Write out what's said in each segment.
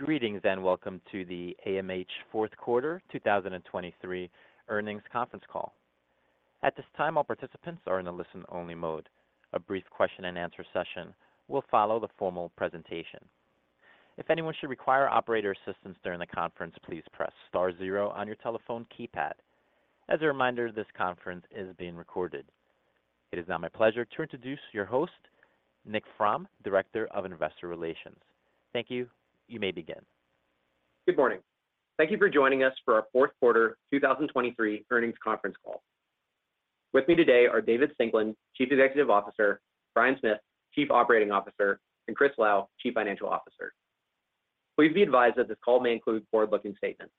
Greetings, and welcome to the AMH fourth quarter 2023 Earnings Conference Call. At this time, all participants are in a listen-only mode. A brief question-and-answer session will follow the formal presentation. If anyone should require operator assistance during the conference, please press star zero on your telephone keypad. As a reminder, this conference is being recorded. It is now my pleasure to introduce your host, Nick Fromm, Director of Investor Relations. Thank you. You may begin. Good morning. Thank you for joining us for our fourth quarter 2023 earnings conference call. With me today are David Singelyn, Chief Executive Officer, Bryan Smith, Chief Operating Officer, and Chris Lau, Chief Financial Officer. Please be advised that this call may include forward-looking statements.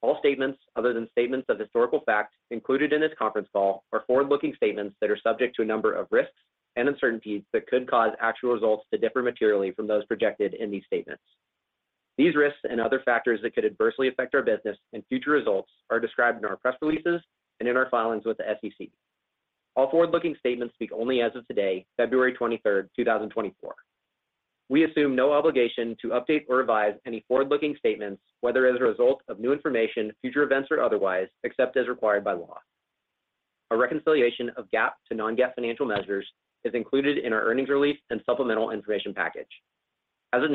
All statements other than statements of historical fact included in this conference call are forward-looking statements that are subject to a number of risks and uncertainties that could cause actual results to differ materially from those projected in these statements. These risks and other factors that could adversely affect our business and future results are described in our press releases and in our filings with the SEC. All forward-looking statements speak only as of today, February 23rd, 2024. We assume no obligation to update or revise any forward-looking statements, whether as a result of new information, future events, or otherwise, except as required by law. A reconciliation of GAAP to non-GAAP financial measures is included in our earnings release and supplemental information package. As a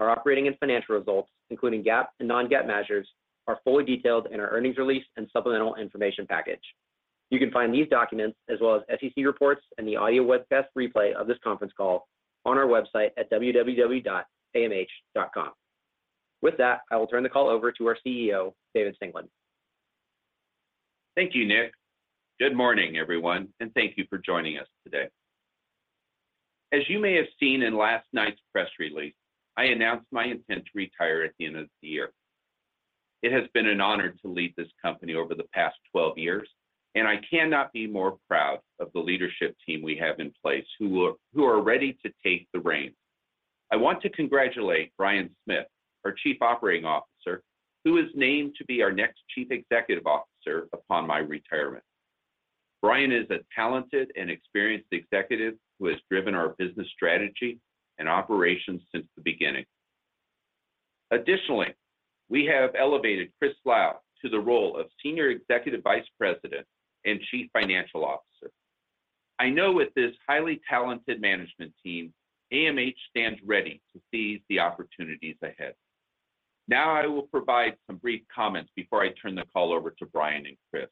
note, our operating and financial results, including GAAP and non-GAAP measures, are fully detailed in our earnings release and supplemental information package. You can find these documents, as well as SEC reports and the audio webcast replay of this conference call, on our website at www.amh.com. With that, I will turn the call over to our CEO, David Singelyn. Thank you, Nick. Good morning, everyone, and thank you for joining us today. As you may have seen in last night's press release, I announced my intent to retire at the end of the year. It has been an honor to lead this company over the past 12 years, and I cannot be more proud of the leadership team we have in place who are ready to take the reins. I want to congratulate Bryan Smith, our Chief Operating Officer, who is named to be our next Chief Executive Officer upon my retirement. Bryan is a talented and experienced executive who has driven our business strategy and operations since the beginning. Additionally, we have elevated Chris Lau to the role of Senior Executive Vice President and Chief Financial Officer. I know with this highly talented management team, AMH stands ready to seize the opportunities ahead. Now, I will provide some brief comments before I turn the call over to Bryan and Chris.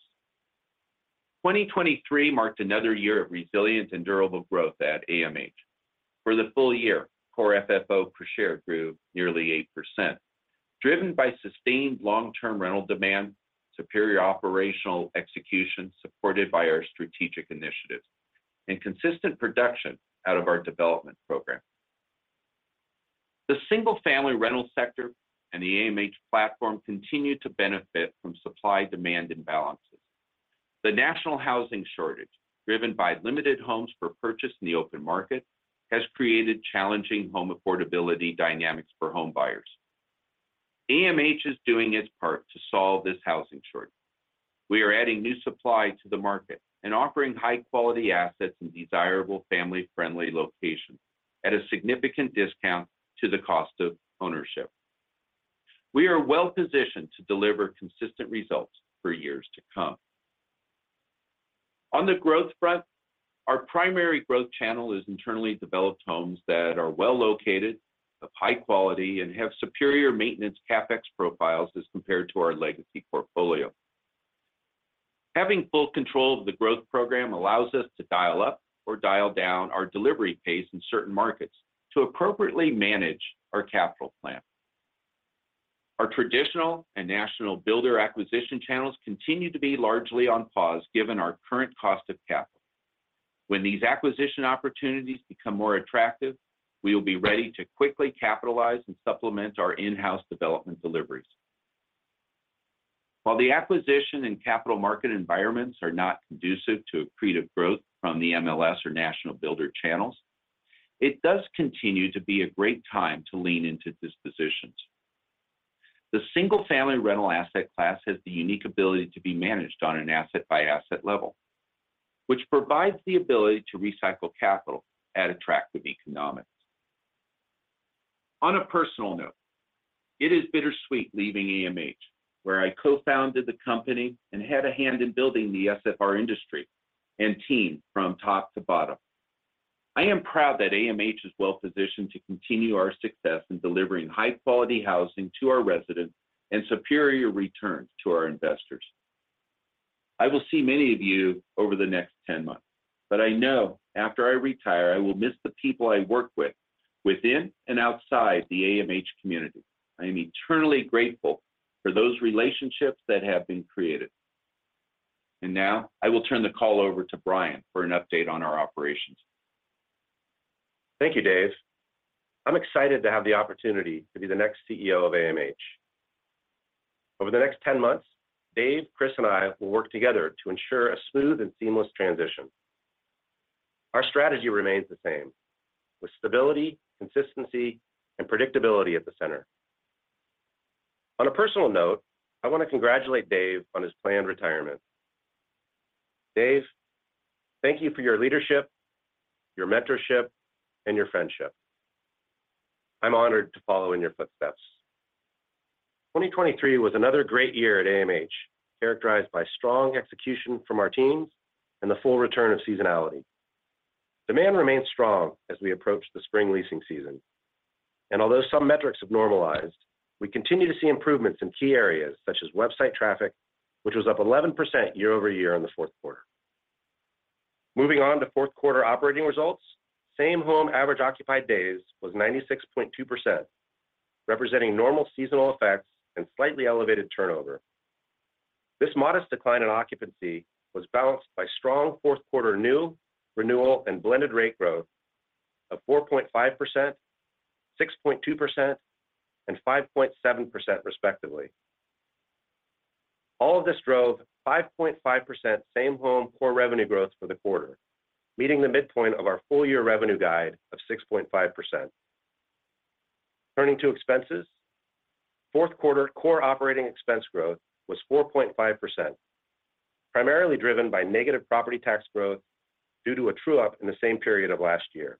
2023 marked another year of resilience and durable growth at AMH. For the full-year, Core FFO per share grew nearly 8%, driven by sustained long-term rental demand, superior operational execution supported by our strategic initiatives, and consistent production out of our development program. The single-family rental sector and the AMH platform continue to benefit from supply-demand imbalances. The national housing shortage, driven by limited homes for purchase in the open market, has created challenging home affordability dynamics for homebuyers. AMH is doing its part to solve this housing shortage. We are adding new supply to the market and offering high-quality assets in desirable, family-friendly locations at a significant discount to the cost of ownership. We are well-positioned to deliver consistent results for years to come. On the growth front, our primary growth channel is internally developed homes that are well-located, of high quality, and have superior maintenance CapEx profiles as compared to our legacy portfolio. Having full control of the growth program allows us to dial up or dial down our delivery pace in certain markets to appropriately manage our capital plan. Our traditional and national builder acquisition channels continue to be largely on pause given our current cost of capital. When these acquisition opportunities become more attractive, we will be ready to quickly capitalize and supplement our in-house development deliveries. While the acquisition and capital market environments are not conducive to accretive growth from the MLS or national builder channels, it does continue to be a great time to lean into dispositions. The single-family rental asset class has the unique ability to be managed on an asset-by-asset level, which provides the ability to recycle capital at attractive economics. On a personal note, it is bittersweet leaving AMH, where I co-founded the company and had a hand in building the SFR industry and team from top to bottom. I am proud that AMH is well-positioned to continue our success in delivering high-quality housing to our residents and superior returns to our investors. I will see many of you over the next 10 months, but I know after I retire, I will miss the people I work with within and outside the AMH community. I am eternally grateful for those relationships that have been created. Now, I will turn the call over to Bryan for an update on our operations. Thank you, Dave. I'm excited to have the opportunity to be the next CEO of AMH. Over the next 10 months, Dave, Chris, and I will work together to ensure a smooth and seamless transition. Our strategy remains the same, with stability, consistency, and predictability at the center. On a personal note, I want to congratulate Dave on his planned retirement. Dave, thank you for your leadership, your mentorship, and your friendship. I'm honored to follow in your footsteps. 2023 was another great year at AMH, characterized by strong execution from our teams and the full return of seasonality. Demand remains strong as we approach the spring leasing season, and although some metrics have normalized, we continue to see improvements in key areas such as website traffic, which was up 11% year-over-year on the fourth quarter. Moving on to fourth quarter operating results, same home average occupied days was 96.2%, representing normal seasonal effects and slightly elevated turnover. This modest decline in occupancy was balanced by strong fourth quarter new, renewal, and blended rate growth of 4.5%, 6.2%, and 5.7% respectively. All of this drove 5.5% same-home core revenue growth for the quarter, meeting the midpoint of our full-year revenue guide of 6.5%. Turning to expenses, fourth quarter core operating expense growth was 4.5%, primarily driven by negative property tax growth due to a true up in the same period of last year.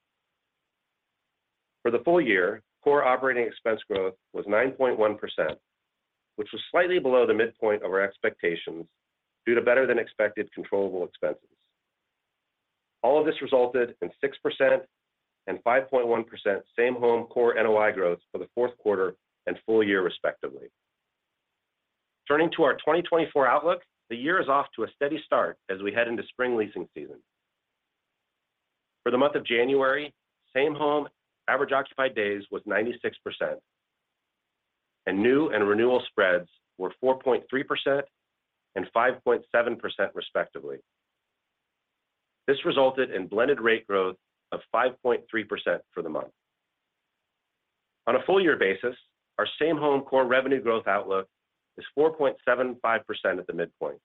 For the full-year, core operating expense growth was 9.1%, which was slightly below the midpoint of our expectations due to better than expected controllable expenses. All of this resulted in 6% and 5.1% same-home Core NOI growth for the fourth quarter and full-year, respectively. Turning to our 2024 outlook, the year is off to a steady start as we head into spring leasing season. For the month of January, same-home average occupied days was 96%, and new and renewal spreads were 4.3% and 5.7%, respectively. This resulted in blended rate growth of 5.3% for the month. On a full-year basis, our same home core revenue growth outlook is 4.75% at the midpoint.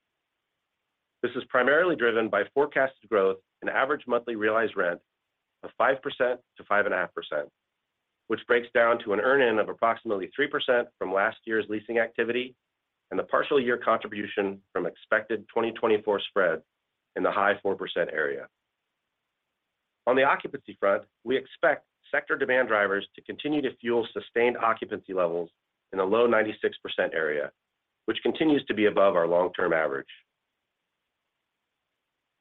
This is primarily driven by forecasted growth in average monthly realized rent of 5%-5.5%, which breaks down to an earn in of approximately 3% from last year's leasing activity, and the partial year contribution from expected 2024 spread in the high 4% area. On the occupancy front, we expect sector demand drivers to continue to fuel sustained occupancy levels in a low 96% area, which continues to be above our long-term average.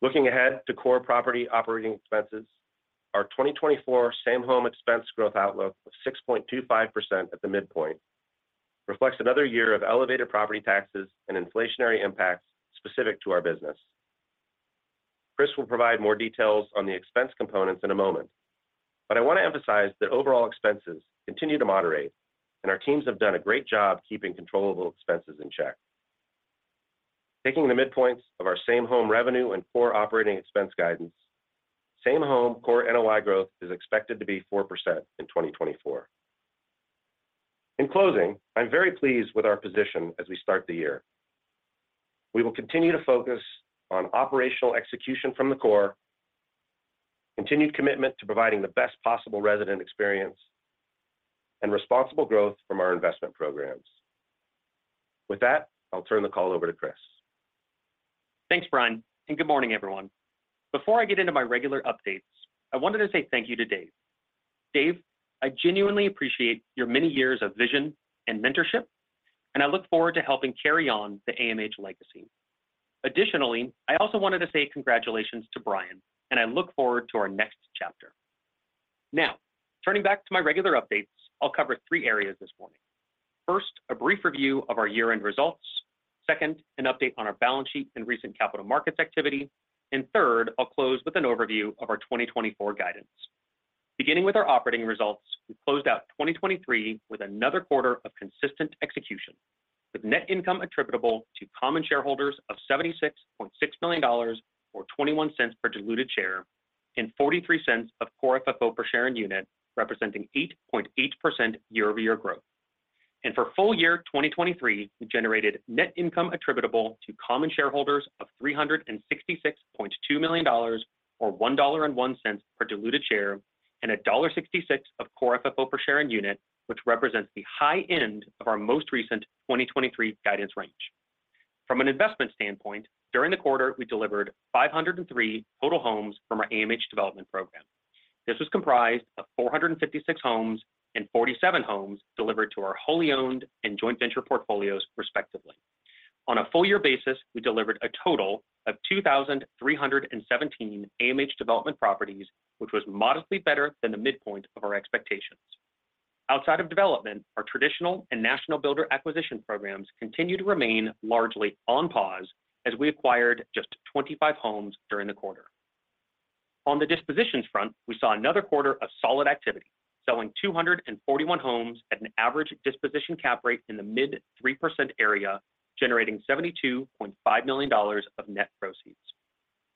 Looking ahead to core property operating expenses, our 2024 same-home expense growth outlook of 6.25% at the midpoint reflects another year of elevated property taxes and inflationary impacts specific to our business. Chris will provide more details on the expense components in a moment, but I want to emphasize that overall expenses continue to moderate and our teams have done a great job keeping controllable expenses in check. Taking the midpoints of our same-home revenue and core operating expense guidance, same-home Core NOI growth is expected to be 4% in 2024. In closing, I'm very pleased with our position as we start the year. We will continue to focus on operational execution from the core, continued commitment to providing the best possible resident experience, and responsible growth from our investment programs. With that, I'll turn the call over to Chris. Thanks, Bryan, and good morning, everyone. Before I get into my regular updates, I wanted to say thank you to Dave. Dave, I genuinely appreciate your many years of vision and mentorship, and I look forward to helping carry on the AMH legacy. Additionally, I also wanted to say congratulations to Bryan, and I look forward to our next chapter. Now, turning back to my regular updates, I'll cover three areas this morning. First, a brief review of our year-end results. Second, an update on our balance sheet and recent capital markets activity. And third, I'll close with an overview of our 2024 guidance. Beginning with our operating results, we closed out 2023 with another quarter of consistent execution, with net income attributable to common shareholders of $76.6 million, or $0.21 per diluted share, and $0.43 of Core FFO per share and unit, representing 8.8% year-over-year growth. For full-year 2023, we generated net income attributable to common shareholders of $366.2 million, or $1.01 per diluted share, and $1.66 of Core FFO per share and unit, which represents the high end of our most recent 2023 guidance range. From an investment standpoint, during the quarter, we delivered 503 total homes from our AMH Development Program. This was comprised of 456 homes and 47 homes delivered to our wholly owned and joint venture portfolios, respectively. On a full-year basis, we delivered a total of 2,317 AMH development properties, which was modestly better than the midpoint of our expectations. Outside of development, our traditional and national builder acquisition programs continue to remain largely on pause as we acquired just 25 homes during the quarter. On the dispositions front, we saw another quarter of solid activity, selling 241 homes at an average disposition cap rate in the mid 3% area, generating $72.5 million of net proceeds.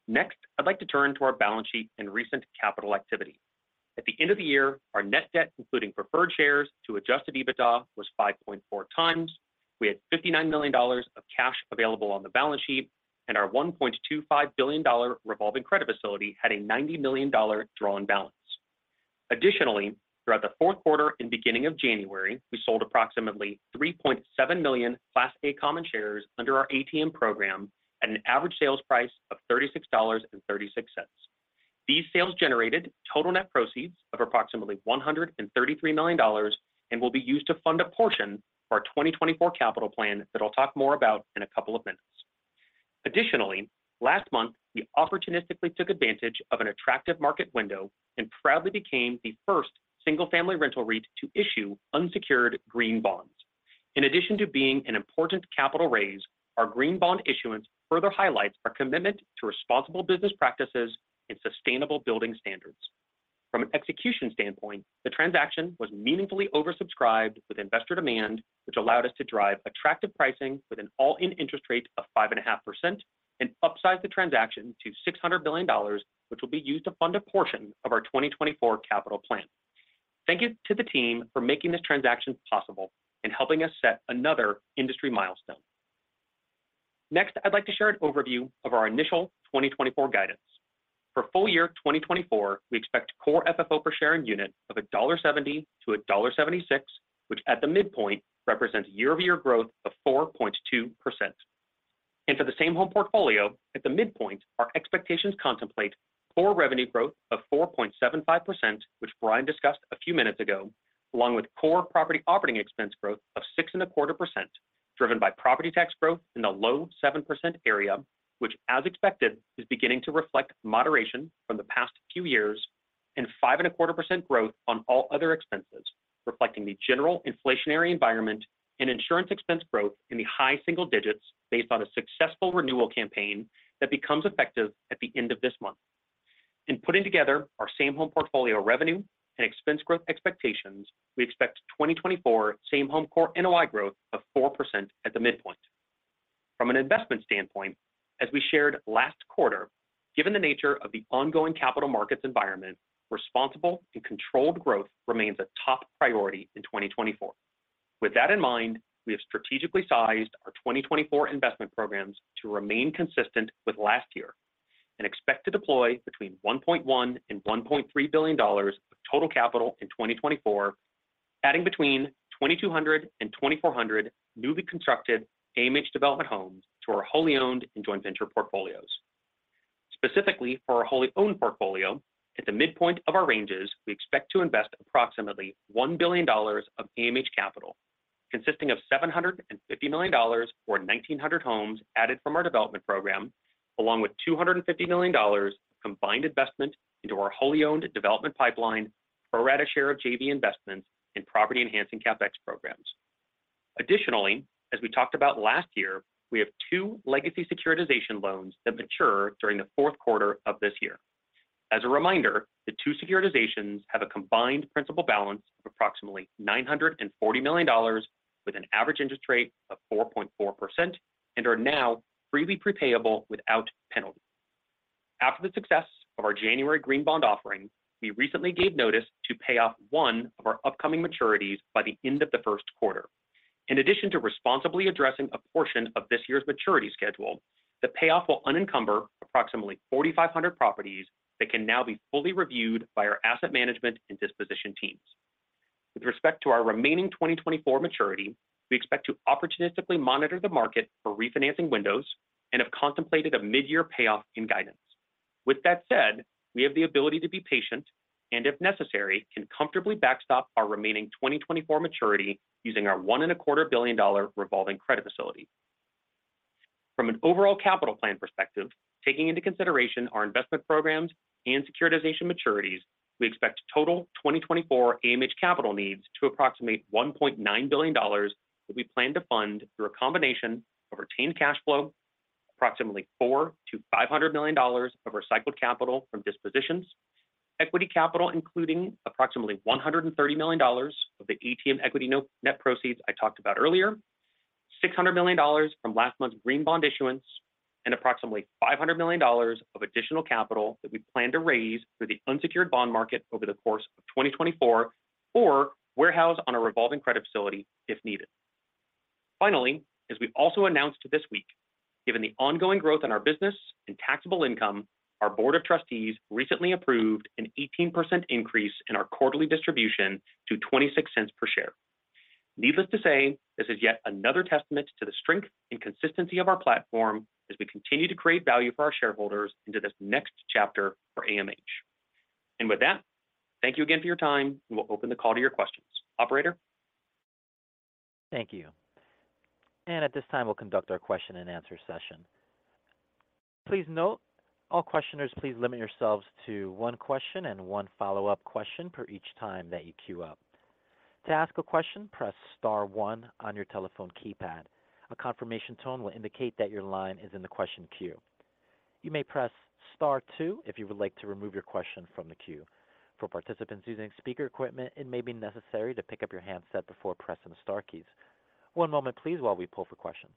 Next, I'd like to turn to our balance sheet and recent capital activity. At the end of the year, our net debt, including preferred shares to Adjusted EBITDA, was 5.4x. We had $59 million of cash available on the balance sheet, and our $1.25 billion Revolving Credit Facility had a $90 million drawn balance. Additionally, throughout the fourth quarter and beginning of January, we sold approximately 3.7 million Class A Common Shares under our ATM Program at an average sales price of $36.36. These sales generated total net proceeds of approximately $133 million, and will be used to fund a portion of our 2024 capital plan that I'll talk more about in a couple of minutes. Additionally, last month, we opportunistically took advantage of an attractive market window and proudly became the first single-family rental REIT to issue unsecured Green Bonds. In addition to being an important capital raise, our Green Bond issuance further highlights our commitment to responsible business practices and sustainable building standards. From an execution standpoint, the transaction was meaningfully oversubscribed with investor demand, which allowed us to drive attractive pricing with an all-in interest rate of 5.5%, and upsize the transaction to $600 billion, which will be used to fund a portion of our 2024 capital plan. Thank you to the team for making this transaction possible and helping us set another industry milestone. Next, I'd like to share an overview of our initial 2024 guidance. For full-year 2024, we expect Core FFO per share unit of $1.70-$1.76, which at the midpoint represents year-over-year growth of 4.2%. For the same home portfolio, at the midpoint, our expectations contemplate core revenue growth of 4.75%, which Bryan discussed a few minutes ago, along with core property operating expense growth of 6.25%, driven by property tax growth in the low 7% area, which, as expected, is beginning to reflect moderation from the past few years, and 5.25% growth on all other expenses, reflecting the general inflationary environment and insurance expense growth in the high single digits based on a successful renewal campaign that becomes effective at the end of this month. In putting together our same home portfolio revenue and expense growth expectations, we expect 2024 same home Core NOI growth of 4% at the midpoint. From an investment standpoint, as we shared last quarter, given the nature of the ongoing capital markets environment, responsible and controlled growth remains a top priority in 2024. With that in mind, we have strategically sized our 2024 investment programs to remain consistent with last year and expect to deploy between $1.1 billion and $1.3 billion of total capital in 2024, adding between 2,200 and 2,400 newly constructed AMH development homes to our wholly owned and joint venture portfolios. Specifically for our wholly owned portfolio, at the midpoint of our ranges, we expect to invest approximately $1 billion of AMH capital, consisting of $750 million or 1,900 homes added from our development program, along with $250 million combined investment into our wholly owned development pipeline, pro rata share of JV investments, and property enhancing CapEx programs. Additionally, as we talked about last year, we have two legacy securitization loans that mature during the fourth quarter of this year. As a reminder, the two securitizations have a combined principal balance of approximately $940 million, with an average interest rate of 4.4%, and are now freely prepayable without penalty. After the success of our January Green Bond offering, we recently gave notice to pay off one of our upcoming maturities by the end of the first quarter. In addition to responsibly addressing a portion of this year's maturity schedule, the payoff will unencumber approximately 4,500 properties that can now be fully reviewed by our asset management and disposition teams. With respect to our remaining 2024 maturity, we expect to opportunistically monitor the market for refinancing windows and have contemplated a mid-year payoff in guidance. With that said, we have the ability to be patient and, if necessary, can comfortably backstop our remaining 2024 maturity using our $1.25 billion Revolving Credit Facility. From an overall capital plan perspective, taking into consideration our investment programs and securitization maturities, we expect total 2024 AMH capital needs to approximate $1.9 billion, that we plan to fund through a combination of retained cash flow, approximately $400 million-$500 million of recycled capital from dispositions, equity capital, including approximately $130 million of the ATM equity note net proceeds I talked about earlier, $600 million from last month's green bond issuance, and approximately $500 million of additional capital that we plan to raise through the unsecured bond market over the course of 2024 or warehouse on a revolving credit facility if needed. Finally, as we've also announced this week, given the ongoing growth in our business and taxable income, our board of trustees recently approved an 18% increase in our quarterly distribution to $0.26 per share. Needless to say, this is yet another testament to the strength and consistency of our platform as we continue to create value for our shareholders into this next chapter for AMH. And with that, thank you again for your time, and we'll open the call to your questions. Operator? Thank you. At this time, we'll conduct our question and answer session. Please note all questioners, please limit yourselves to one question and one follow-up question per each time that you queue up. To ask a question, press star one on your telephone keypad. A confirmation tone will indicate that your line is in the question queue. You may press star two if you would like to remove your question from the queue. For participants using speaker equipment, it may be necessary to pick up your handset before pressing the star keys. One moment please, while we poll for questions.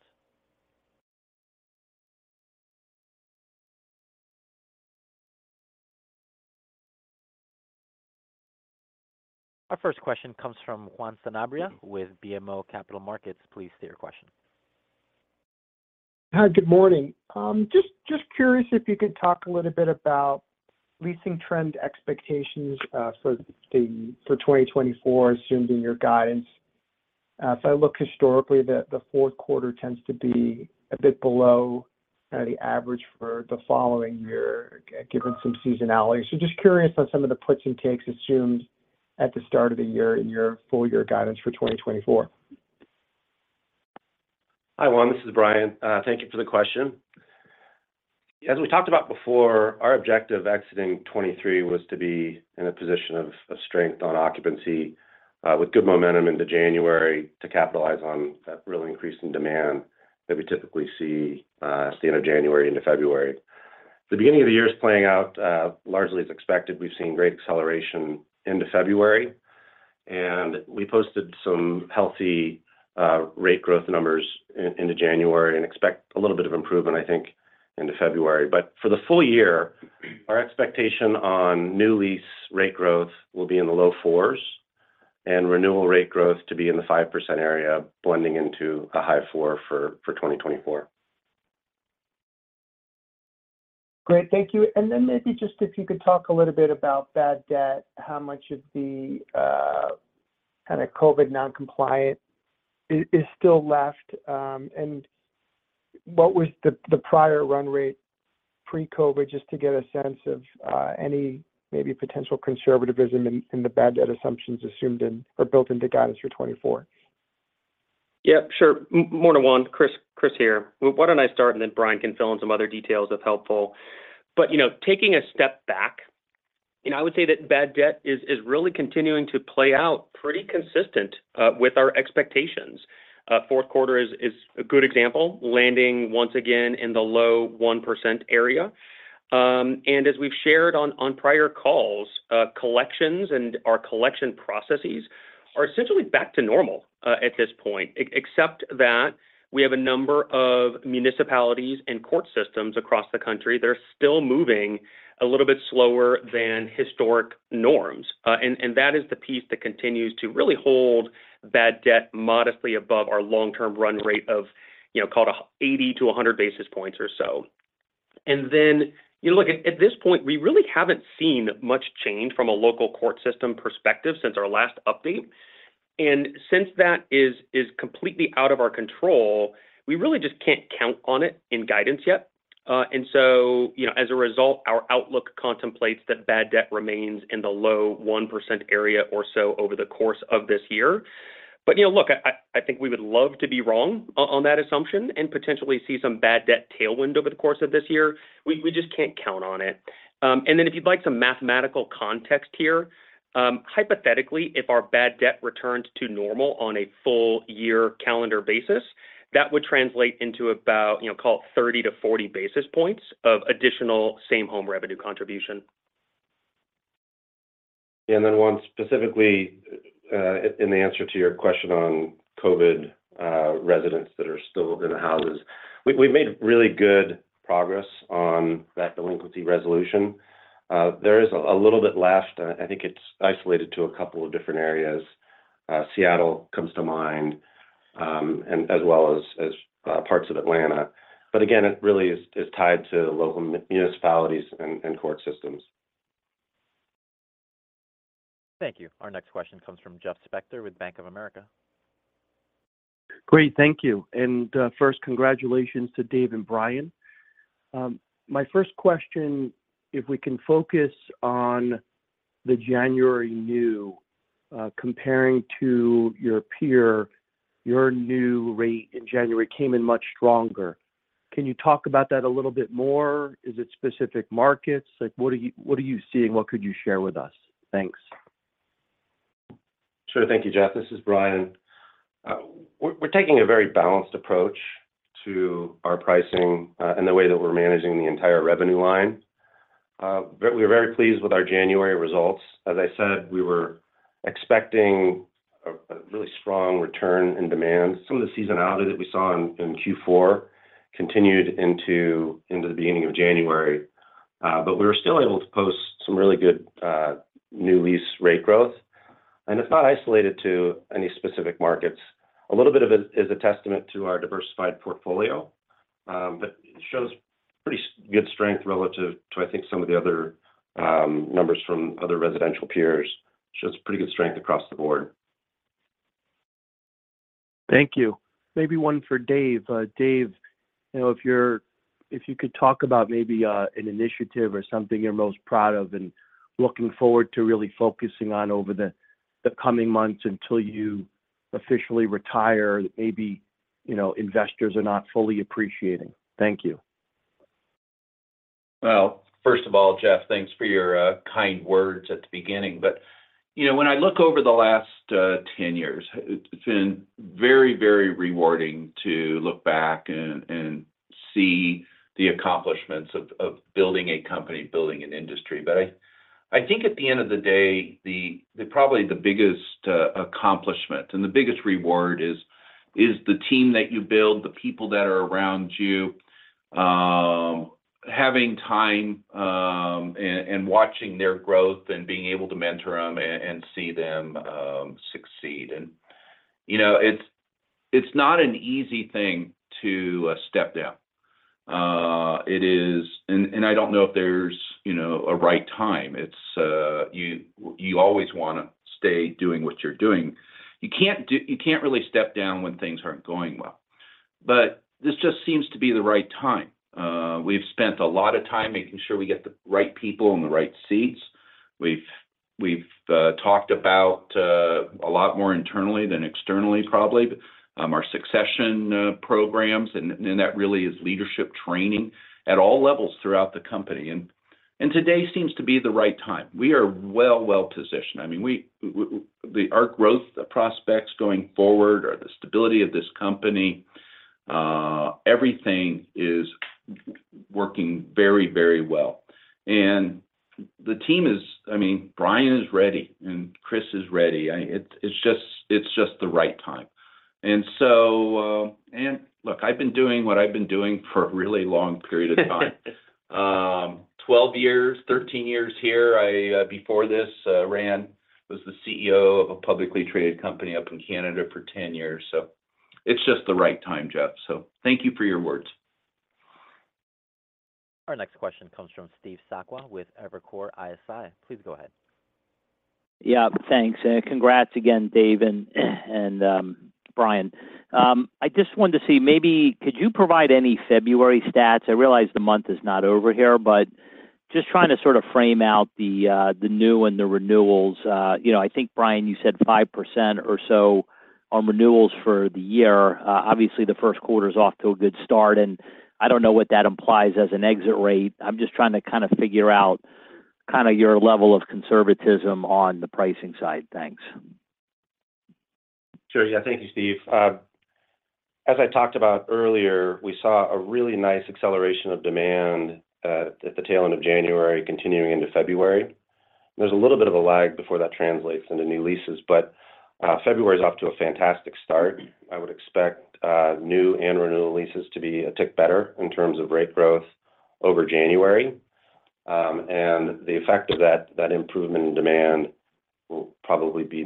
Our first question comes from Juan Sanabria with BMO Capital Markets. Please state your question. Hi, good morning. Just curious if you could talk a little bit about leasing trend expectations for 2024, assuming your guidance. If I look historically, the fourth quarter tends to be a bit below kind of the average for the following year, given some seasonality. So just curious on some of the puts and takes assumed at the start of the year in your full-year guidance for 2024. Hi, Juan, this is Bryan. Thank you for the question. As we talked about before, our objective exiting 2023 was to be in a position of strength on occupancy with good momentum into January to capitalize on that real increase in demand that we typically see at the end of January into February. The beginning of the year is playing out largely as expected. We've seen great acceleration into February, and we posted some healthy rate growth numbers into January, and expect a little bit of improvement, I think, into February. But for the full-year, our expectation on new lease rate growth will be in the low fours, and renewal rate growth to be in the 5% area, blending into a high four for 2024. Great. Thank you. Then maybe just if you could talk a little bit about bad debt, how much of the kind of COVID non-compliant is still left? And what was the prior run rate pre-COVID, just to get a sense of any maybe potential conservatism in the bad debt assumptions assumed in or built into guidance for 2024. Yeah, sure. Morning, Juan. Chris here. Why don't I start and then Bryan can fill in some other details if helpful. But, you know, taking a step back, you know, I would say that bad debt is really continuing to play out pretty consistent with our expectations. Fourth quarter is a good example, landing once again in the low 1% area. And as we've shared on prior calls, collections and our collection processes are essentially back to normal at this point, except that we have a number of municipalities and court systems across the country that are still moving a little bit slower than historic norms. And that is the piece that continues to really hold bad debt modestly above our long-term run rate of, you know, called 80-100 basis points or so. And then, you know, look, at this point, we really haven't seen much change from a local court system perspective since our last update, and since that is completely out of our control, we really just can't count on it in guidance yet. And so, you know, as a result, our outlook contemplates that bad debt remains in the low 1% area or so over the course of this year. But, you know, look, I think we would love to be wrong on that assumption and potentially see some bad debt tailwind over the course of this year. We just can't count on it. And then if you'd like some mathematical context here, hypothetically, if our bad debt returned to normal on a full-year calendar basis, that would translate into about, you know, call it 30-40 basis points of additional same-home revenue contribution. And then, Juan, specifically, in the answer to your question on COVID, residents that are still in the houses. We've made really good progress on that delinquency resolution. There is a little bit left. I think it's isolated to a couple of different areas. Seattle comes to mind, and as well as parts of Atlanta. But again, it really is tied to local municipalities and court systems. Thank you. Our next question comes from Jeff Spector with Bank of America. Great, thank you. And first, congratulations to Dave and Bryan. My first question, if we can focus on the January new, comparing to your peer, your new rate in January came in much stronger. Can you talk about that a little bit more? Is it specific markets? Like, what are you, what are you seeing? What could you share with us? Thanks. Sure. Thank you, Jeff. This is Bryan. We're taking a very balanced approach to our pricing, and the way that we're managing the entire revenue line. We're very pleased with our January results. As I said, we were expecting a really strong return in demand. Some of the seasonality that we saw in Q4 continued into the beginning of January, but we were still able to post some really good new lease rate growth. And it's not isolated to any specific markets. A little bit of it is a testament to our diversified portfolio, but it shows pretty good strength relative to, I think, some of the other numbers from other residential peers. Shows pretty good strength across the board. Thank you. Maybe one for Dave. Dave, you know, if you could talk about maybe an initiative or something you're most proud of and looking forward to really focusing on over the coming months until you officially retire, maybe, you know, investors are not fully appreciating. Thank you. Well, first of all, Jeff, thanks for your kind words at the beginning. But, you know, when I look over the last 10 years, it's been very, very rewarding to look back and see the accomplishments of building a company, building an industry. But I think at the end of the day, probably the biggest accomplishment and the biggest reward is the team that you build, the people that are around you, having time and watching their growth and being able to mentor them and see them succeed. And, you know, it's not an easy thing to step down. And I don't know if there's, you know, a right time. It's, you always wanna stay doing what you're doing. You can't really step down when things aren't going well. But this just seems to be the right time. We've spent a lot of time making sure we get the right people in the right seats. We've talked about a lot more internally than externally, probably, our succession programs, and that really is leadership training at all levels throughout the company. Today seems to be the right time. We are well positioned. I mean, our growth prospects going forward, or the stability of this company, everything is working very, very well. The team is. I mean, Bryan is ready, and Chris is ready. It's just the right time. So, look, I've been doing what I've been doing for a really long period of time. 12 years, 13 years here. I, before this, was the CEO of a publicly traded company up in Canada for 10 years, so it's just the right time, Jeff. So thank you for your words. Our next question comes from Steve Sakwa with Evercore ISI. Please go ahead. Yeah, thanks. And congrats again, Dave and Bryan. I just wanted to see, maybe could you provide any February stats? I realize the month is not over here, but just trying to sort of frame out the new and the renewals. You know, I think, Bryan, you said 5% or so on renewals for the year. Obviously, the first quarter is off to a good start, and I don't know what that implies as an exit rate. I'm just trying to kind of figure out kinda your level of conservatism on the pricing side. Thanks. Sure. Yeah. Thank you, Steve. As I talked about earlier, we saw a really nice acceleration of demand at the tail end of January, continuing into February. There's a little bit of a lag before that translates into new leases, but February is off to a fantastic start. I would expect new and renewal leases to be a tick better in terms of rate growth over January. And the effect of that improvement in demand will probably be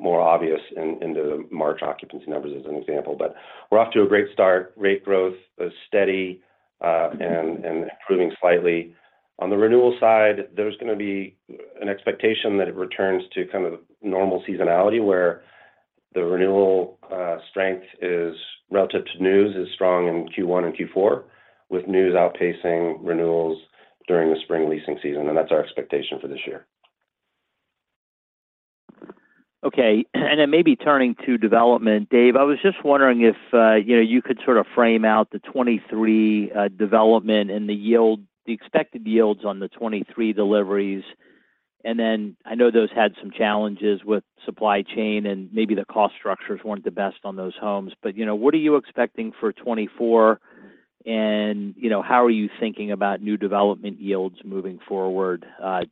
more obvious in the March occupancy numbers, as an example. But we're off to a great start. Rate growth is steady and improving slightly. On the renewal side, there's gonna be an expectation that it returns to kind of normal seasonality, where the renewal strength is relative to news, is strong in Q1 and Q4, with news outpacing renewals during the spring leasing season, and that's our expectation for this year. Okay, and then maybe turning to development. Dave, I was just wondering if, you know, you could sort of frame out the 2023 development and the yield- the expected yields on the 2023 deliveries. And then I know those had some challenges with supply chain, and maybe the cost structures weren't the best on those homes, but, you know, what are you expecting for 2024? And, you know, how are you thinking about new development yields moving forward,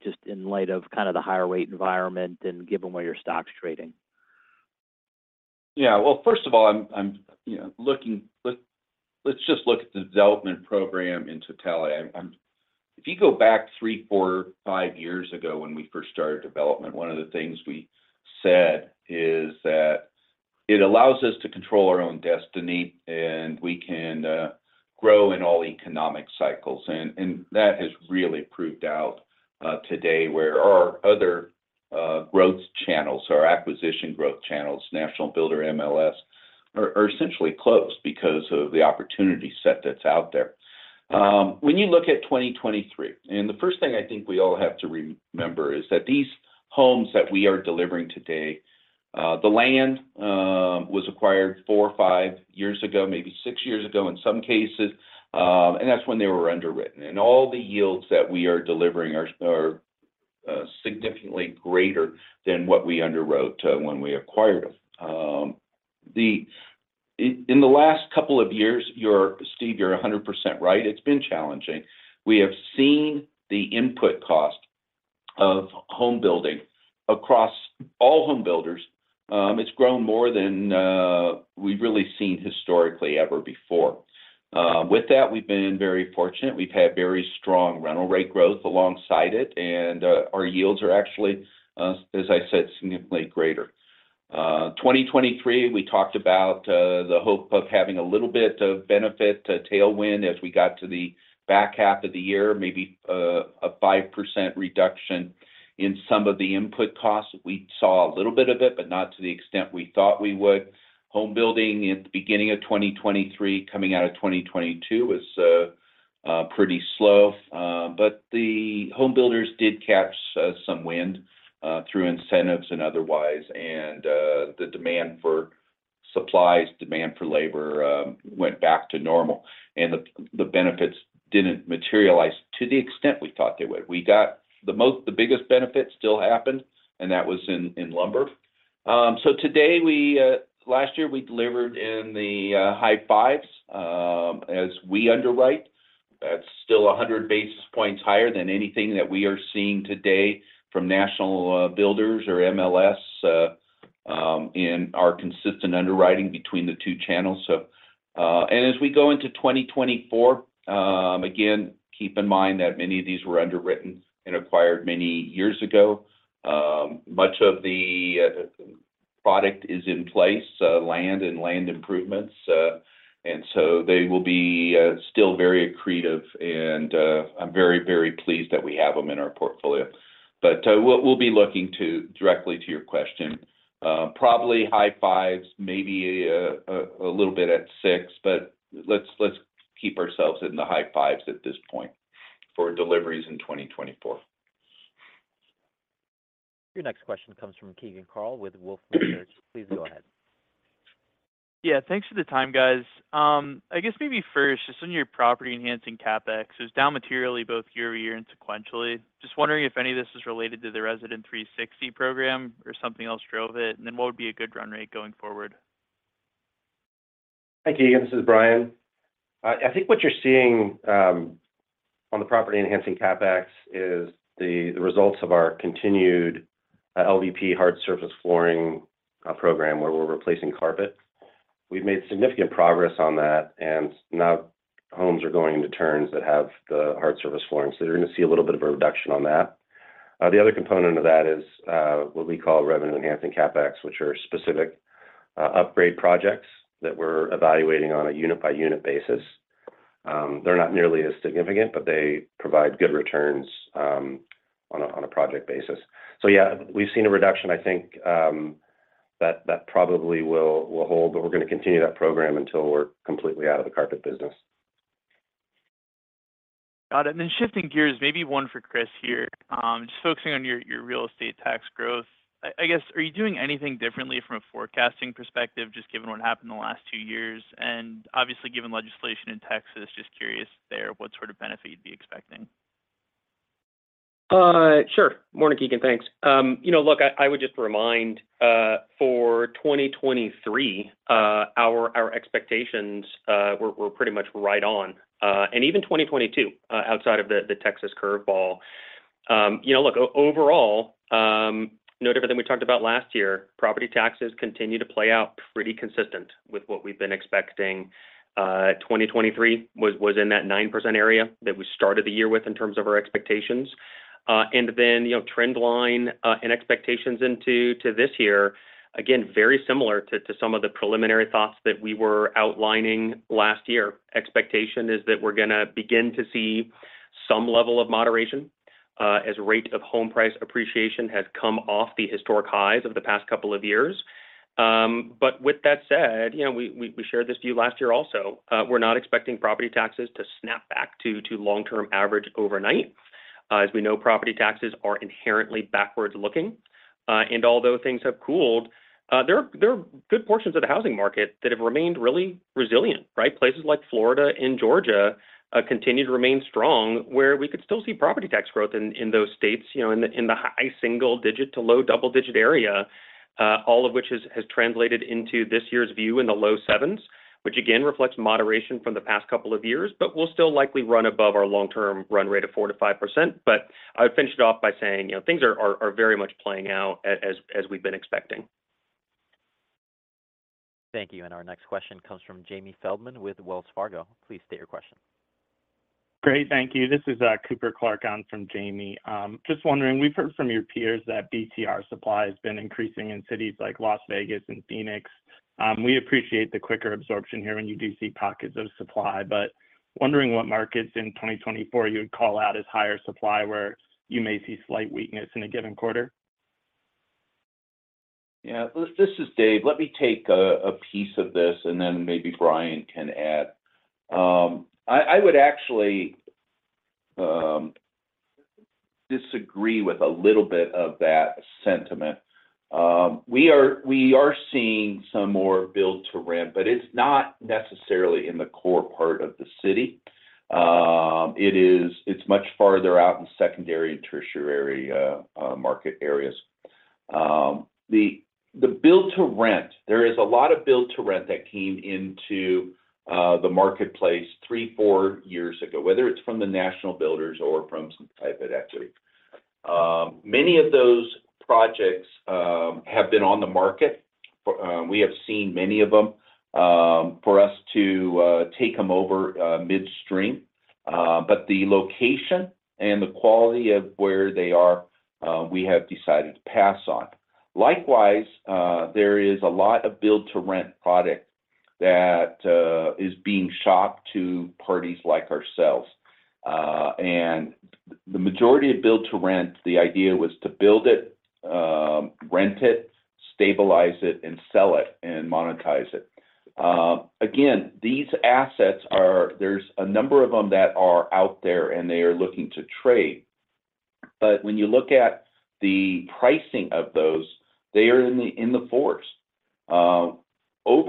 just in light of kind of the higher rate environment and given where your stock's trading? Yeah, well, first of all, you know, let's just look at the development program in totality. If you go back three, four, five years ago when we first started development, one of the things we said is that it allows us to control our own destiny, and we can grow in all economic cycles. And that has really proved out today, where our other growth channels, our acquisition growth channels, National Builder, MLS, are essentially closed because of the opportunity set that's out there. When you look at 2023, and the first thing I think we all have to remember is that these homes that we are delivering today, the land was acquired four or five years ago, maybe six years ago, in some cases, and that's when they were underwritten. All the yields that we are delivering are significantly greater than what we underwrote when we acquired them. In the last couple of years, you're, Steve, you're 100% right, it's been challenging. We have seen the input cost of home building across all home builders. It's grown more than we've really seen historically ever before. With that, we've been very fortunate. We've had very strong rental rate growth alongside it, and our yields are actually, as I said, significantly greater. 2023, we talked about the hope of having a little bit of benefit, a tailwind, as we got to the back half of the year, maybe a 5% reduction in some of the input costs. We saw a little bit of it, but not to the extent we thought we would. Home building at the beginning of 2023, coming out of 2022, was pretty slow, but the home builders did catch some wind through incentives and otherwise, and the demand for supplies, demand for labor went back to normal, and the benefits didn't materialize to the extent we thought they would. We got the most, the biggest benefit still happened, and that was in lumber. So today, last year we delivered in the high 5s as we underwrite. That's still 100 basis points higher than anything that we are seeing today from national builders or MLS in our consistent underwriting between the two channels. So and as we go into 2024, again, keep in mind that many of these were underwritten and acquired many years ago. Much of the product is in place, land and land improvements. So they will be still very accretive, and I'm very, very pleased that we have them in our portfolio. But we'll be looking to, directly to your question, probably high fives, maybe a little bit at six, but let's keep ourselves in the high fives at this point for deliveries in 2024. Your next question comes from Keegan Carl with Wolfe Research. Please go ahead. Yeah, thanks for the time, guys. I guess maybe first, just on your property-enhancing CapEx, it was down materially both year-over-year and sequentially. Just wondering if any of this is related to the Resident360 program or something else drove it, and then what would be a good run rate going forward? Thank you, and this is Bryan. I think what you're seeing on the property-enhancing CapEx is the results of our continued LVP hard surface flooring program, where we're replacing carpet. We've made significant progress on that, and now homes are going into turns that have the hard surface flooring, so you're gonna see a little bit of a reduction on that. The other component of that is what we call revenue-enhancing CapEx, which are specific upgrade projects that we're evaluating on a unit-by-unit basis. They're not nearly as significant, but they provide good returns on a project basis. So yeah, we've seen a reduction. I think that probably will hold, but we're gonna continue that program until we're completely out of the carpet business. Got it. And then shifting gears, maybe one for Chris here. Just focusing on your real estate tax growth. I guess, are you doing anything differently from a forecasting perspective, just given what happened in the last two years? And obviously, given legislation in Texas, just curious there, what sort of benefit you'd be expecting? Sure. Morning, Keegan. Thanks. You know, look, I would just remind, for 2023, our expectations were pretty much right on, and even 2022, outside of the Texas curve ball. You know, look, overall, no different than we talked about last year, property taxes continue to play out pretty consistent with what we've been expecting. 2023 was in that 9% area that we started the year with in terms of our expectations. And then, you know, trend line and expectations into this year, again, very similar to some of the preliminary thoughts that we were outlining last year. Expectation is that we're gonna begin to see some level of moderation, as rate of home price appreciation has come off the historic highs of the past couple of years. But with that said, you know, we, we, we shared this view last year also, we're not expecting property taxes to snap back to, to long-term average overnight. As we know, property taxes are inherently backwards-looking, and although things have cooled, there are, there are good portions of the housing market that have remained really resilient, right? Places like Florida and Georgia continue to remain strong, where we could still see property tax growth in, in those states, you know, in the, in the high single digit to low double digit area. All of which has translated into this year's view in the low sevens, which again reflects moderation from the past couple of years, but we'll still likely run above our long-term run rate of 4%-5%. But I would finish it off by saying, you know, things are very much playing out as we've been expecting. Thank you. Our next question comes from Jamie Feldman with Wells Fargo. Please state your question. Great, thank you. This is, Cooper Clark on from Jamie. Just wondering, we've heard from your peers that BTR supply has been increasing in cities like Las Vegas and Phoenix. We appreciate the quicker absorption here when you do see pockets of supply, but wondering what markets in 2024 you would call out as higher supply, where you may see slight weakness in a given quarter. Yeah. This is Dave. Let me take a piece of this, and then maybe Bryan can add. I would actually disagree with a little bit of that sentiment. We are seeing some more build to rent, but it's not necessarily in the core part of the city. It is, it's much farther out in secondary and tertiary market areas. The build-to-rent, there is a lot of build-to-rent that came into the marketplace three, four years ago, whether it's from the national builders or from some private entity. Many of those projects have been on the market. We have seen many of them for us to take them over midstream. But the location and the quality of where they are, we have decided to pass on. Likewise, there is a lot of build-to-rent product that is being shopped to parties like ourselves. And the majority of build-to-rent, the idea was to build it, rent it, stabilize it, and sell it, and monetize it. Again, these assets are. There's a number of them that are out there, and they are looking to trade. But when you look at the pricing of those, they are in the fours.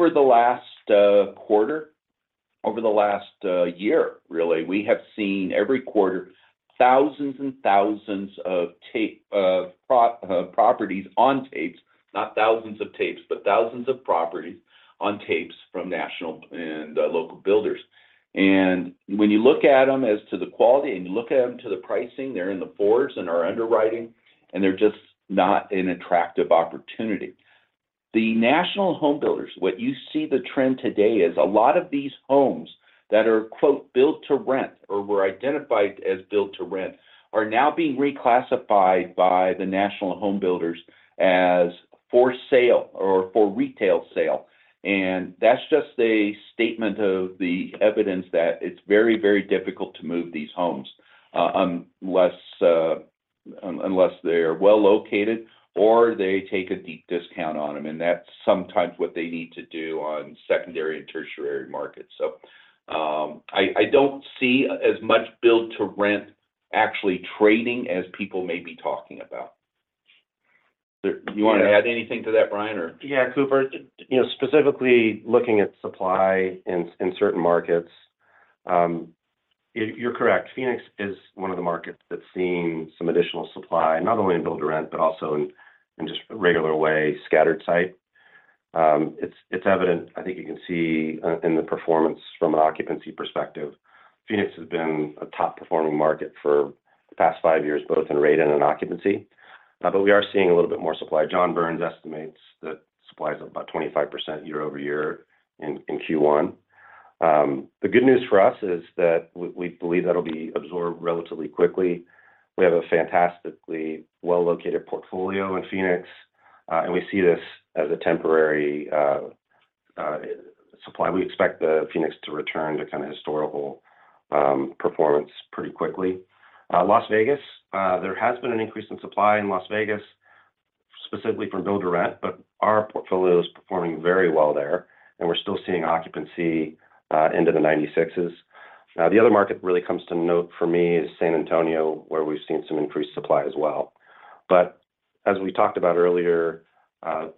Over the last year, really, we have seen every quarter, thousands and thousands of properties on tapes from national and local builders. And when you look at them as to the quality, and you look at them to the pricing, they're in the fours and are underwriting, and they're just not an attractive opportunity. The national homebuilders, what you see the trend today is a lot of these homes that are, quote, built to rent or were identified as built to rent, are now being reclassified by the national homebuilders as for sale or for retail sale. And that's just a statement of the evidence that it's very, very difficult to move these homes, unless they're well located or they take a deep discount on them, and that's sometimes what they need to do on secondary and tertiary markets. So, I don't see as much build-to-rent actually trading as people may be talking about. Do you wanna add anything to that, Bryan, or? Yeah, Cooper, you know, specifically looking at supply in certain markets, you're correct. Phoenix is one of the markets that's seeing some additional supply, not only in build-to-rent, but also in just regular way, scattered site. It's evident, I think you can see in the performance from an occupancy perspective. Phoenix has been a top-performing market for the past five years, both in rate and in occupancy. But we are seeing a little bit more supply. John Burns estimates that supply is up about 25% year-over-year in Q1. The good news for us is that we believe that'll be absorbed relatively quickly. We have a fantastically well-located portfolio in Phoenix, and we see this as a temporary supply. We expect the Phoenix to return to kind of historical, performance pretty quickly. Las Vegas, there has been an increase in supply in Las Vegas, specifically from build to rent, but our portfolio is performing very well there, and we're still seeing occupancy, into the 96s. The other market really comes to note for me is San Antonio, where we've seen some increased supply as well. But as we talked about earlier,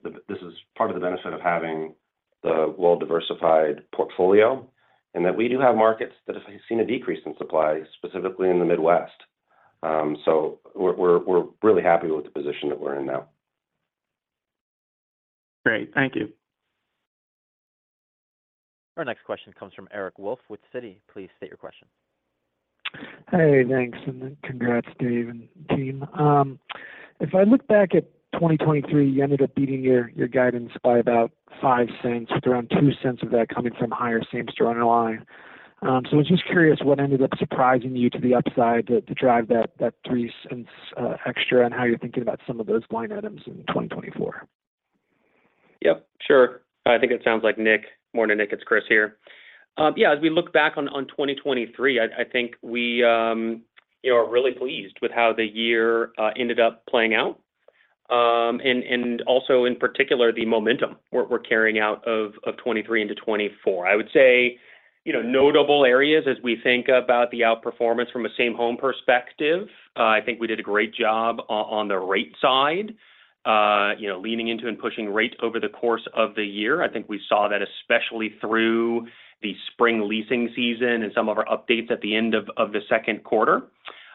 this is part of the benefit of having the well-diversified portfolio, and that we do have markets that have seen a decrease in supply, specifically in the Midwest. So we're really happy with the position that we're in now. Great. Thank you. Our next question comes from Eric Wolfe with Citi. Please state your question. Hey, thanks, and then congrats, Dave and team. If I look back at 2023, you ended up beating your, your guidance by about $0.05, with around $0.02 of that coming from higher same-store NOI. So I was just curious what ended up surprising you to the upside to, to drive that, that $0.03, extra, and how you're thinking about some of those line items in 2024? Yep, sure. I think it sounds like Nick. Morning, Nick, it's Chris here. Yeah, as we look back on 2023, I think we, you know, are really pleased with how the year ended up playing out. And also, in particular, the momentum we're carrying out of 2023 into 2024. I would say, you know, notable areas as we think about the outperformance from a same home perspective, I think we did a great job on the rate side, you know, leaning into and pushing rates over the course of the year. I think we saw that especially through the spring leasing season and some of our updates at the end of the second quarter.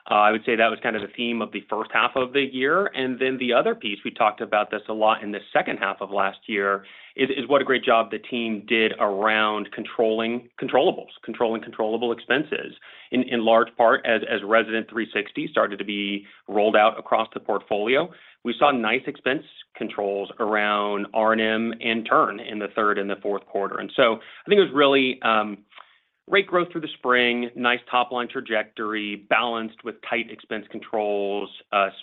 I would say that was kind of the theme of the first half of the year. And then the other piece, we talked about this a lot in the second half of last year, is what a great job the team did around controlling controllables, controlling controllable expenses. In large part, as Resident360 started to be rolled out across the portfolio, we saw nice expense controls around R&M and turn in the third and the fourth quarter. And so I think it was really great growth through the spring, nice top-line trajectory, balanced with tight expense controls,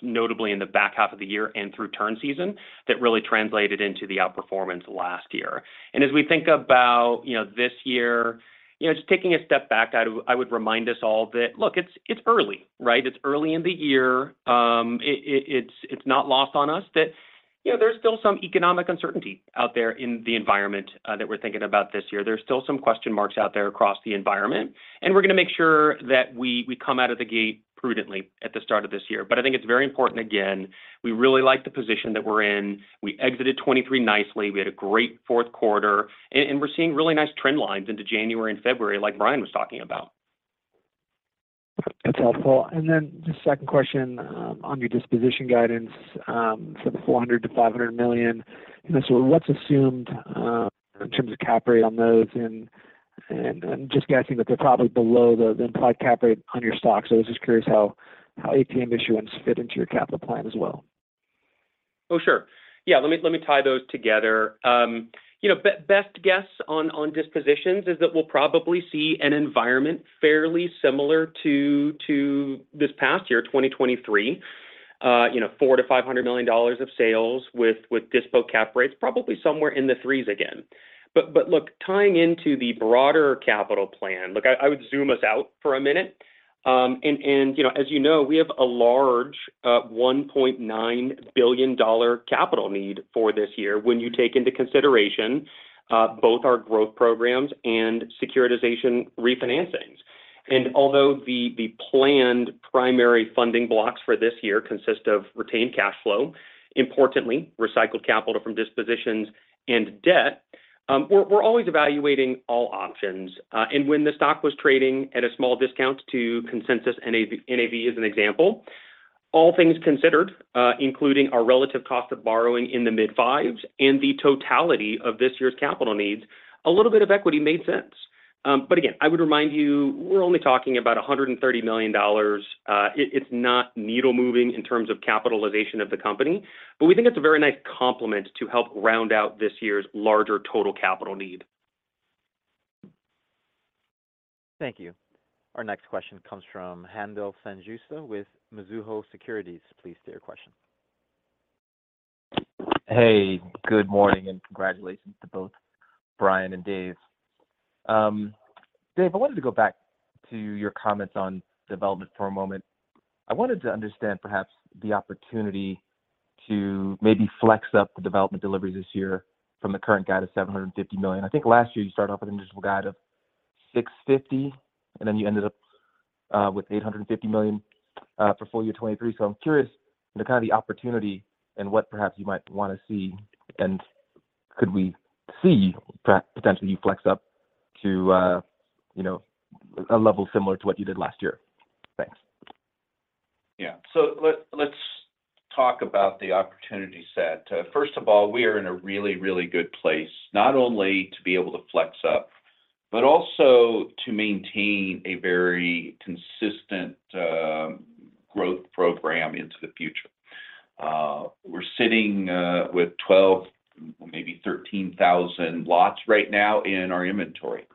notably in the back half of the year and through turn season, that really translated into the outperformance last year. And as we think about this year, you know, just taking a step back, I would remind us all that, look, it's early, right? It's early in the year. It's not lost on us that, you know, there's still some economic uncertainty out there in the environment that we're thinking about this year. There's still some question marks out there across the environment, and we're gonna make sure that we come out of the gate prudently at the start of this year. But I think it's very important, again, we really like the position that we're in. We exited 2023 nicely. We had a great fourth quarter, and we're seeing really nice trend lines into January and February, like Bryan was talking about. That's helpful. And then the second question, on your disposition guidance, so the $400 million-$500 million. You know, so what's assumed, in terms of cap rate on those? And, I'm just guessing that they're probably below the implied cap rate on your stock, so I was just curious how ATM issuance fit into your capital plan as well. Oh, sure. Yeah, let me, let me tie those together. You know, best guess on dispositions is that we'll probably see an environment fairly similar to this past year, 2023. You know, $400 million-$500 million of sales with dispo cap rates, probably somewhere in the threes again. But look, tying into the broader capital plan, look, I would zoom us out for a minute. And you know, as you know, we have a large $1.9 billion capital need for this year when you take into consideration both our growth programs and securitization refinancings. And although the planned primary funding blocks for this year consist of retained cash flow, importantly, recycled capital from dispositions and debt, we're always evaluating all options. And when the stock was trading at a small discount to consensus and NAV, NAV as an example, all things considered, including our relative cost of borrowing in the mid-fives and the totality of this year's capital needs, a little bit of equity made sense. But again, I would remind you, we're only talking about $130 million. It's not needle-moving in terms of capitalization of the company, but we think it's a very nice complement to help round out this year's larger total capital need. Thank you. Our next question comes from Haendel St. Juste with Mizuho Securities. Please state your question. Hey, good morning, and congratulations to both Bryan and Dave. Dave, I wanted to go back to your comments on development for a moment. I wanted to understand perhaps the opportunity to maybe flex up the development deliveries this year from the current guide of $750 million. I think last year you started off with an initial guide of $650 million, and then you ended up with $850 million for full-year 2023. So I'm curious the kind of the opportunity and what perhaps you might want to see, and could we see potentially you flex up to, you know, a level similar to what you did last year? Thanks. Yeah. So let's talk about the opportunity set. First of all, we are in a really, really good place, not only to be able to flex up, but also to maintain a very consistent growth program into the future. We're sitting with 12, maybe 13,000 lots right now in our inventory,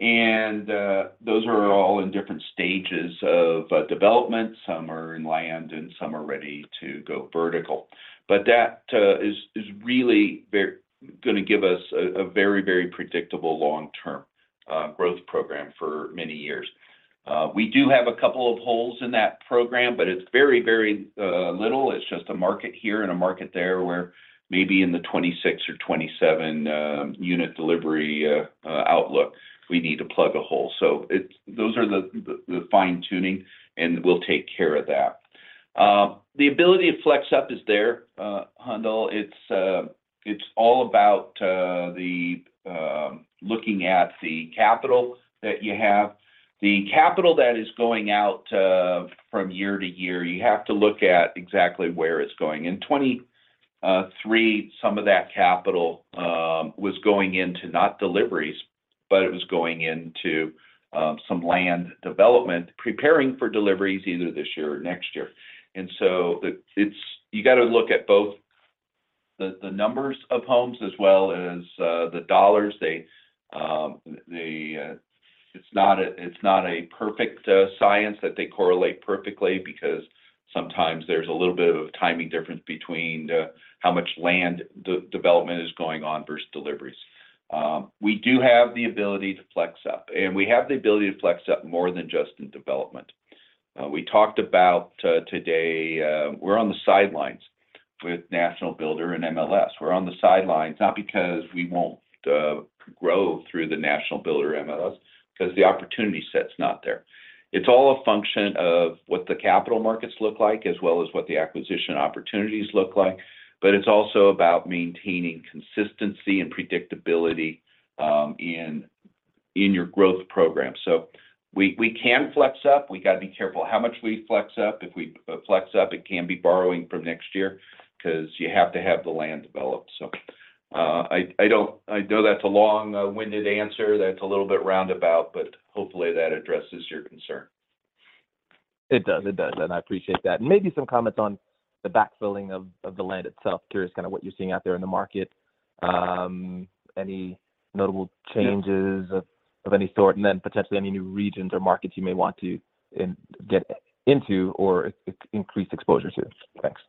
and those are all in different stages of development. Some are in land, and some are ready to go vertical. But that is really very gonna give us a very, very predictable long-term growth program for many years. We do have a couple of holes in that program, but it's very, very little. It's just a market here and a market there, where maybe in the 2026 or 2027 unit delivery outlook, we need to plug a hole. So those are the fine-tuning, and we'll take care of that. The ability to flex up is there, Haendel. It's all about looking at the capital that you have. The capital that is going out from year to year, you have to look at exactly where it's going. In 2023, some of that capital was going into not deliveries, but it was going into some land development, preparing for deliveries either this year or next year. And so it's you got to look at both the numbers of homes as well as the dollars. They, they... It's not a perfect science that they correlate perfectly because sometimes there's a little bit of a timing difference between how much land development is going on versus deliveries. We do have the ability to flex up, and we have the ability to flex up more than just in development. We talked about today, we're on the sidelines with National Builder and MLS. We're on the sidelines not because we won't grow through the National Builder MLS, 'cause the opportunity set's not there. It's all a function of what the capital markets look like, as well as what the acquisition opportunities look like, but it's also about maintaining consistency and predictability in your growth program. So we can flex up. We got to be careful how much we flex up. If we flex up, it can be borrowing from next year 'cause you have to have the land developed. So, I know that's a long-winded answer, that's a little bit roundabout, but hopefully that addresses your concern. It does. It does, and I appreciate that. Maybe some comments on the backfilling of the land itself. Curious kind of what you're seeing out there in the market. Any notable changes Yeah of any sort, and then potentially any new regions or markets you may want to get into or increase exposure to. Thanks.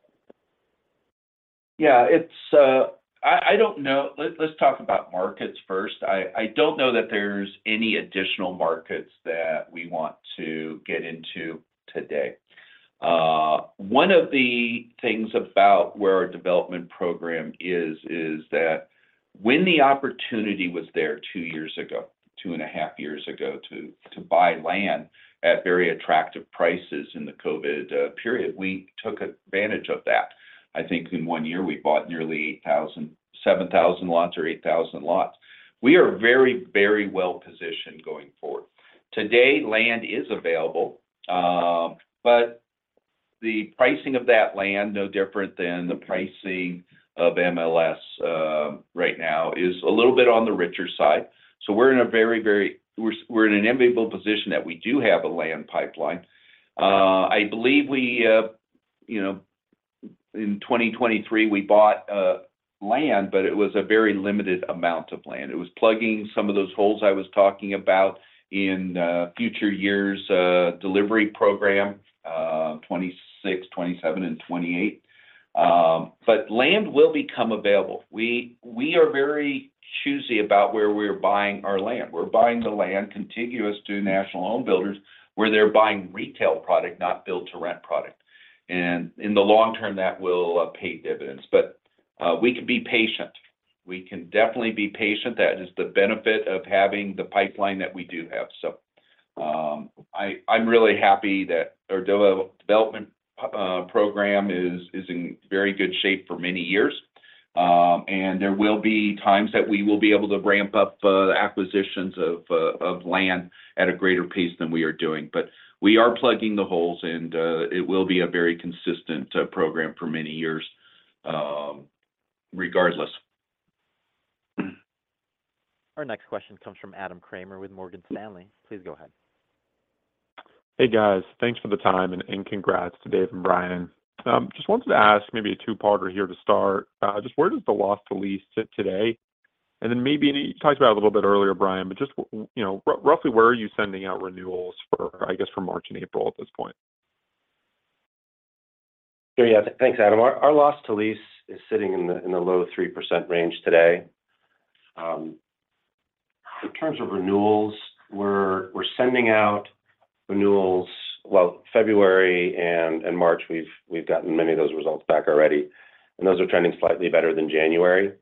Yeah, it's, I don't know. Let's talk about markets first. I don't know that there's any additional markets that we want to get into today. One of the things about where our development program is, is that when the opportunity was there two years ago, two and a half years ago, to buy land at very attractive prices in the COVID period, we took advantage of that. I think in one year we bought nearly 8,000—7,000 lots or 8,000 lots. We are very, very well positioned going forward. Today, land is available, but the pricing of that land, no different than the pricing of MLS right now, is a little bit on the richer side. So we're in a very, very—We're, we're in an enviable position that we do have a land pipeline. I believe we, you know, in 2023, we bought land, but it was a very limited amount of land. It was plugging some of those holes I was talking about in future years delivery program 2026, 2027, and 2028. But land will become available. We are very choosy about where we're buying our land. We're buying the land contiguous to national home builders, where they're buying retail product, not build-to-rent product, and in the long term, that will pay dividends. But we can be patient. We can definitely be patient. That is the benefit of having the pipeline that we do have. So, I am really happy that our development program is in very good shape for many years. And there will be times that we will be able to ramp up acquisitions of land at a greater pace than we are doing. But we are plugging the holes, and it will be a very consistent program for many years, regardless. Our next question comes from Adam Kramer with Morgan Stanley. Please go ahead. Hey, guys. Thanks for the time, and congrats to Dave and Bryan. Just wanted to ask maybe a two-parter here to start. Just where does the loss to lease sit today? And then maybe, and you talked about it a little bit earlier, Bryan, but just, you know, roughly, where are you sending out renewals for, I guess, for March and April at this point? Yeah. Thanks, Adam. Our loss to lease is sitting in the low 3% range today. In terms of renewals, we're sending out renewals. Well, February and March, we've gotten many of those results back already, and those are trending slightly better than January.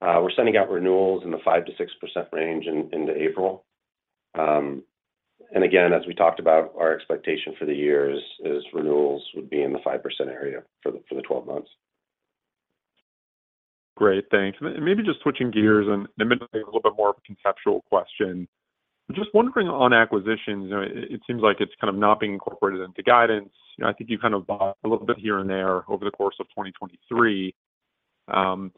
We're sending out renewals in the 5%-6% range into April. And again, as we talked about, our expectation for the year is renewals would be in the 5% area for the 12 months. Great, thanks. Maybe just switching gears and maybe a little bit more of a conceptual question. Just wondering, on acquisitions, you know, it seems like it's kind of not being incorporated into guidance. You know, I think you kind of bought a little bit here and there over the course of 2023. And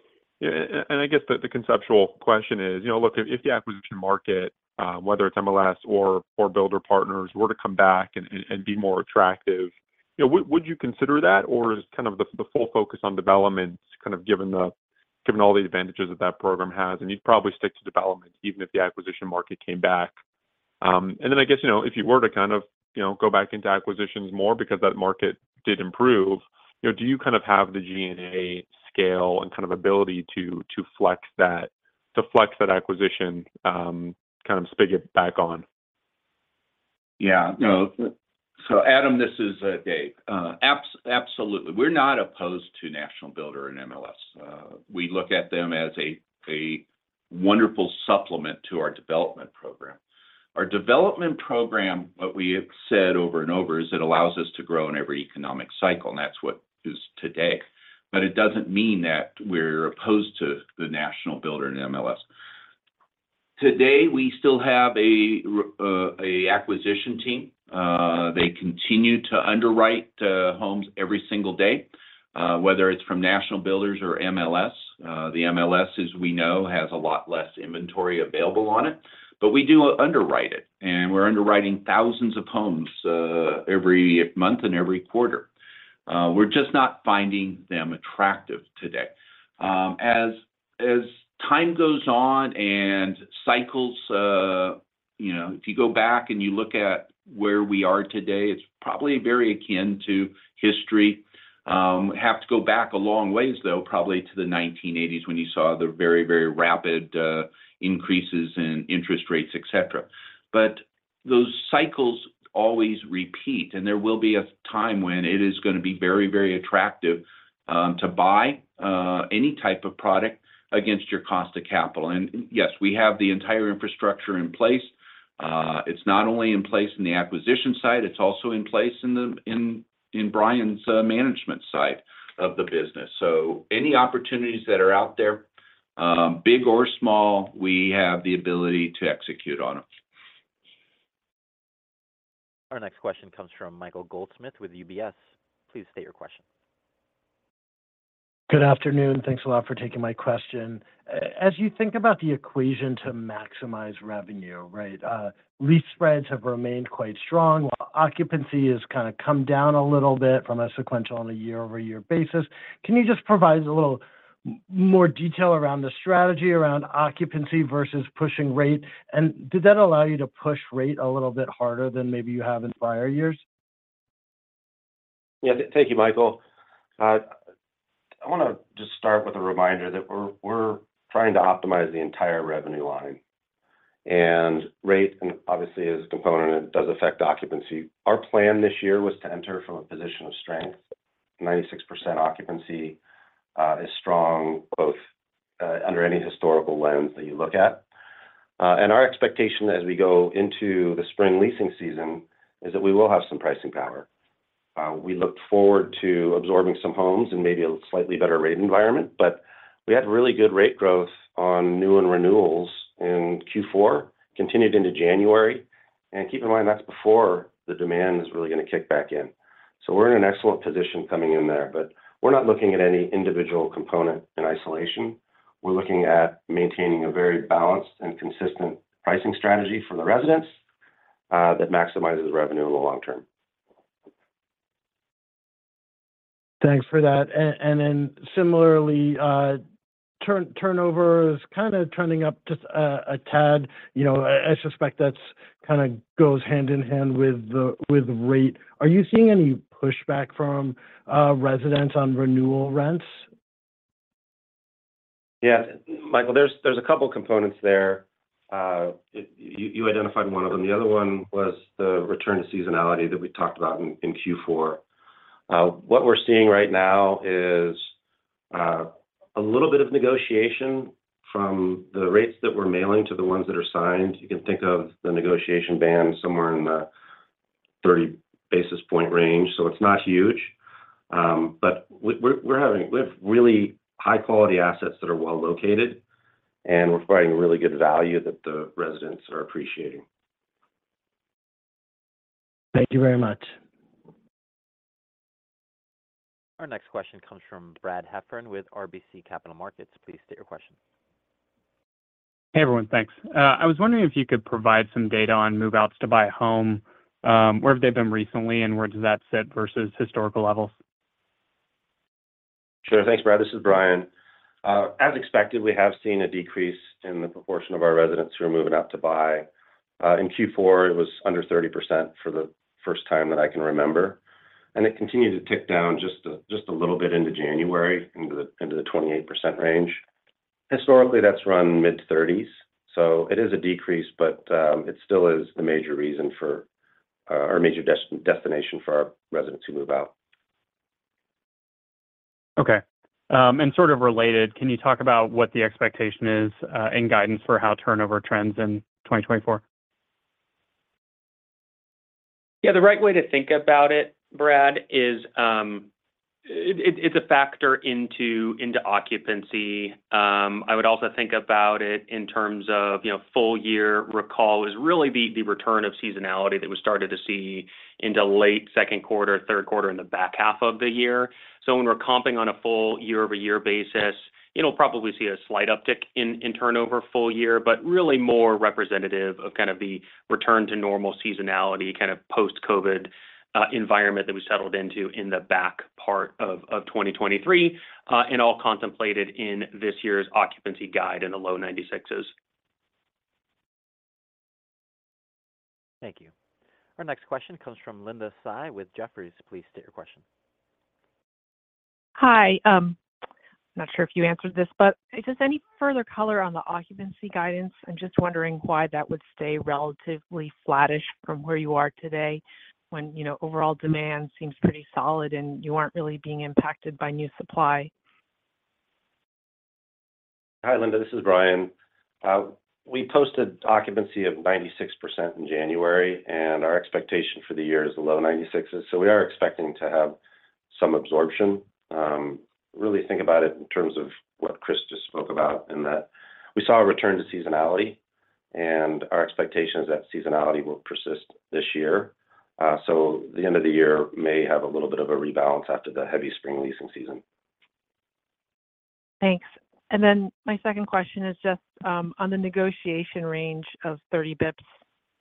I guess the conceptual question is, you know, look, if the acquisition market, whether it's MLS or builder partners, were to come back and be more attractive, you know, would you consider that? Or is kind of the full focus on development, kind of, given all the advantages that that program has, and you'd probably stick to development even if the acquisition market came back? And then I guess, you know, if you were to kind of, you know, go back into acquisitions more because that market did improve, you know, do you kind of have the G&A scale and kind of ability to, to flex that, to flex that acquisition, kind of, spigot back on? Yeah. No, so Adam, this is Dave. Absolutely. We're not opposed to national builder and MLS. We look at them as a wonderful supplement to our development program. Our development program, what we have said over and over, is it allows us to grow in every economic cycle, and that's what is today. But it doesn't mean that we're opposed to the national builder in MLS. Today, we still have a acquisition team. They continue to underwrite homes every single day, whether it's from national builders or MLS. The MLS, as we know, has a lot less inventory available on it, but we do underwrite it, and we're underwriting thousands of homes every month and every quarter. We're just not finding them attractive today. As time goes on and cycles, You know, if you go back and you look at where we are today, it's probably very akin to history. Have to go back a long ways, though, probably to the 1980s, when you saw the very, very rapid, increases in interest rates, et cetera. But those cycles always repeat, and there will be a time when it is gonna be very, very attractive, to buy, any type of product against your cost of capital. And yes, we have the entire infrastructure in place. It's not only in place in the acquisition side, it's also in place in the, in, in Bryan's, management side of the business. So any opportunities that are out there, big or small, we have the ability to execute on them. Our next question comes from Michael Goldsmith with UBS. Please state your question. Good afternoon. Thanks a lot for taking my question. As you think about the equation to maximize revenue, right, lease spreads have remained quite strong, while occupancy has kind of come down a little bit from a sequential on a year-over-year basis. Can you just provide a little more detail around the strategy around occupancy versus pushing rate? And did that allow you to push rate a little bit harder than maybe you have in prior years? Yeah. Thank you, Michael. I want to just start with a reminder that we're, we're trying to optimize the entire revenue line, and rate, obviously, is a component, and it does affect occupancy. Our plan this year was to enter from a position of strength. 96% occupancy is strong, both under any historical lens that you look at. And our expectation as we go into the spring leasing season is that we will have some pricing power. We look forward to absorbing some homes and maybe a slightly better rate environment, but we had really good rate growth on new and renewals in Q4, continued into January. And keep in mind, that's before the demand is really gonna kick back in. So we're in an excellent position coming in there, but we're not looking at any individual component in isolation. We're looking at maintaining a very balanced and consistent pricing strategy for the residents, that maximizes revenue in the long term. Thanks for that. And then similarly, turnover is kind of trending up just a tad. You know, I suspect that's kind of goes hand in hand with the with rate. Are you seeing any pushback from residents on renewal rents? Yeah. Michael, there's, there's a couple components there. You, you identified one of them. The other one was the return to seasonality that we talked about in, in Q4. What we're seeing right now is a little bit of negotiation from the rates that we're mailing to the ones that are signed. You can think of the negotiation band somewhere in the 30 basis point range, so it's not huge. But we're having. We have really high-quality assets that are well located, and we're providing really good value that the residents are appreciating. Thank you very much. Our next question comes from Brad Heffern with RBC Capital Markets. Please state your question. Hey, everyone. Thanks. I was wondering if you could provide some data on move-outs to buy a home. Where have they been recently, and where does that sit versus historical levels? Sure. Thanks, Brad. This is Bryan. As expected, we have seen a decrease in the proportion of our residents who are moving out to buy. In Q4, it was under 30% for the first time that I can remember, and it continued to tick down just a little bit into January, into the 28% range. Historically, that's run mid-30s, so it is a decrease, but it still is the major reason for or major destination for our residents who move out. Okay. Sort of related, can you talk about what the expectation is, and guidance for how turnover trends in 2024? Yeah, the right way to think about it, Brad, is, it's a factor into, into occupancy. I would also think about it in terms of, you know, full-year recall is really the return of seasonality that we started to see into late second quarter, third quarter, in the back half of the year. So when we're comping on a full-year-over-year basis, it'll probably see a slight uptick in turnover full-year, but really more representative of kind of the return to normal seasonality, kind of post-COVID environment that we settled into in the back part of 2023, and all contemplated in this year's occupancy guide in the low 96s. Thank you. Our next question comes from Linda Tsai with Jefferies. Please state your question. Hi, not sure if you answered this, but just any further color on the occupancy guidance? I'm just wondering why that would stay relatively flattish from where you are today when, you know, overall demand seems pretty solid, and you aren't really being impacted by new supply. Hi, Linda, this is Bryan. We posted occupancy of 96% in January, and our expectation for the year is the low 96s, so we are expecting to have some absorption. Really think about it in terms of what Chris just spoke about, in that we saw a return to seasonality, and our expectation is that seasonality will persist this year. So the end of the year may have a little bit of a rebalance after the heavy spring leasing season. Thanks. And then my second question is just, on the negotiation range of 30 BPS,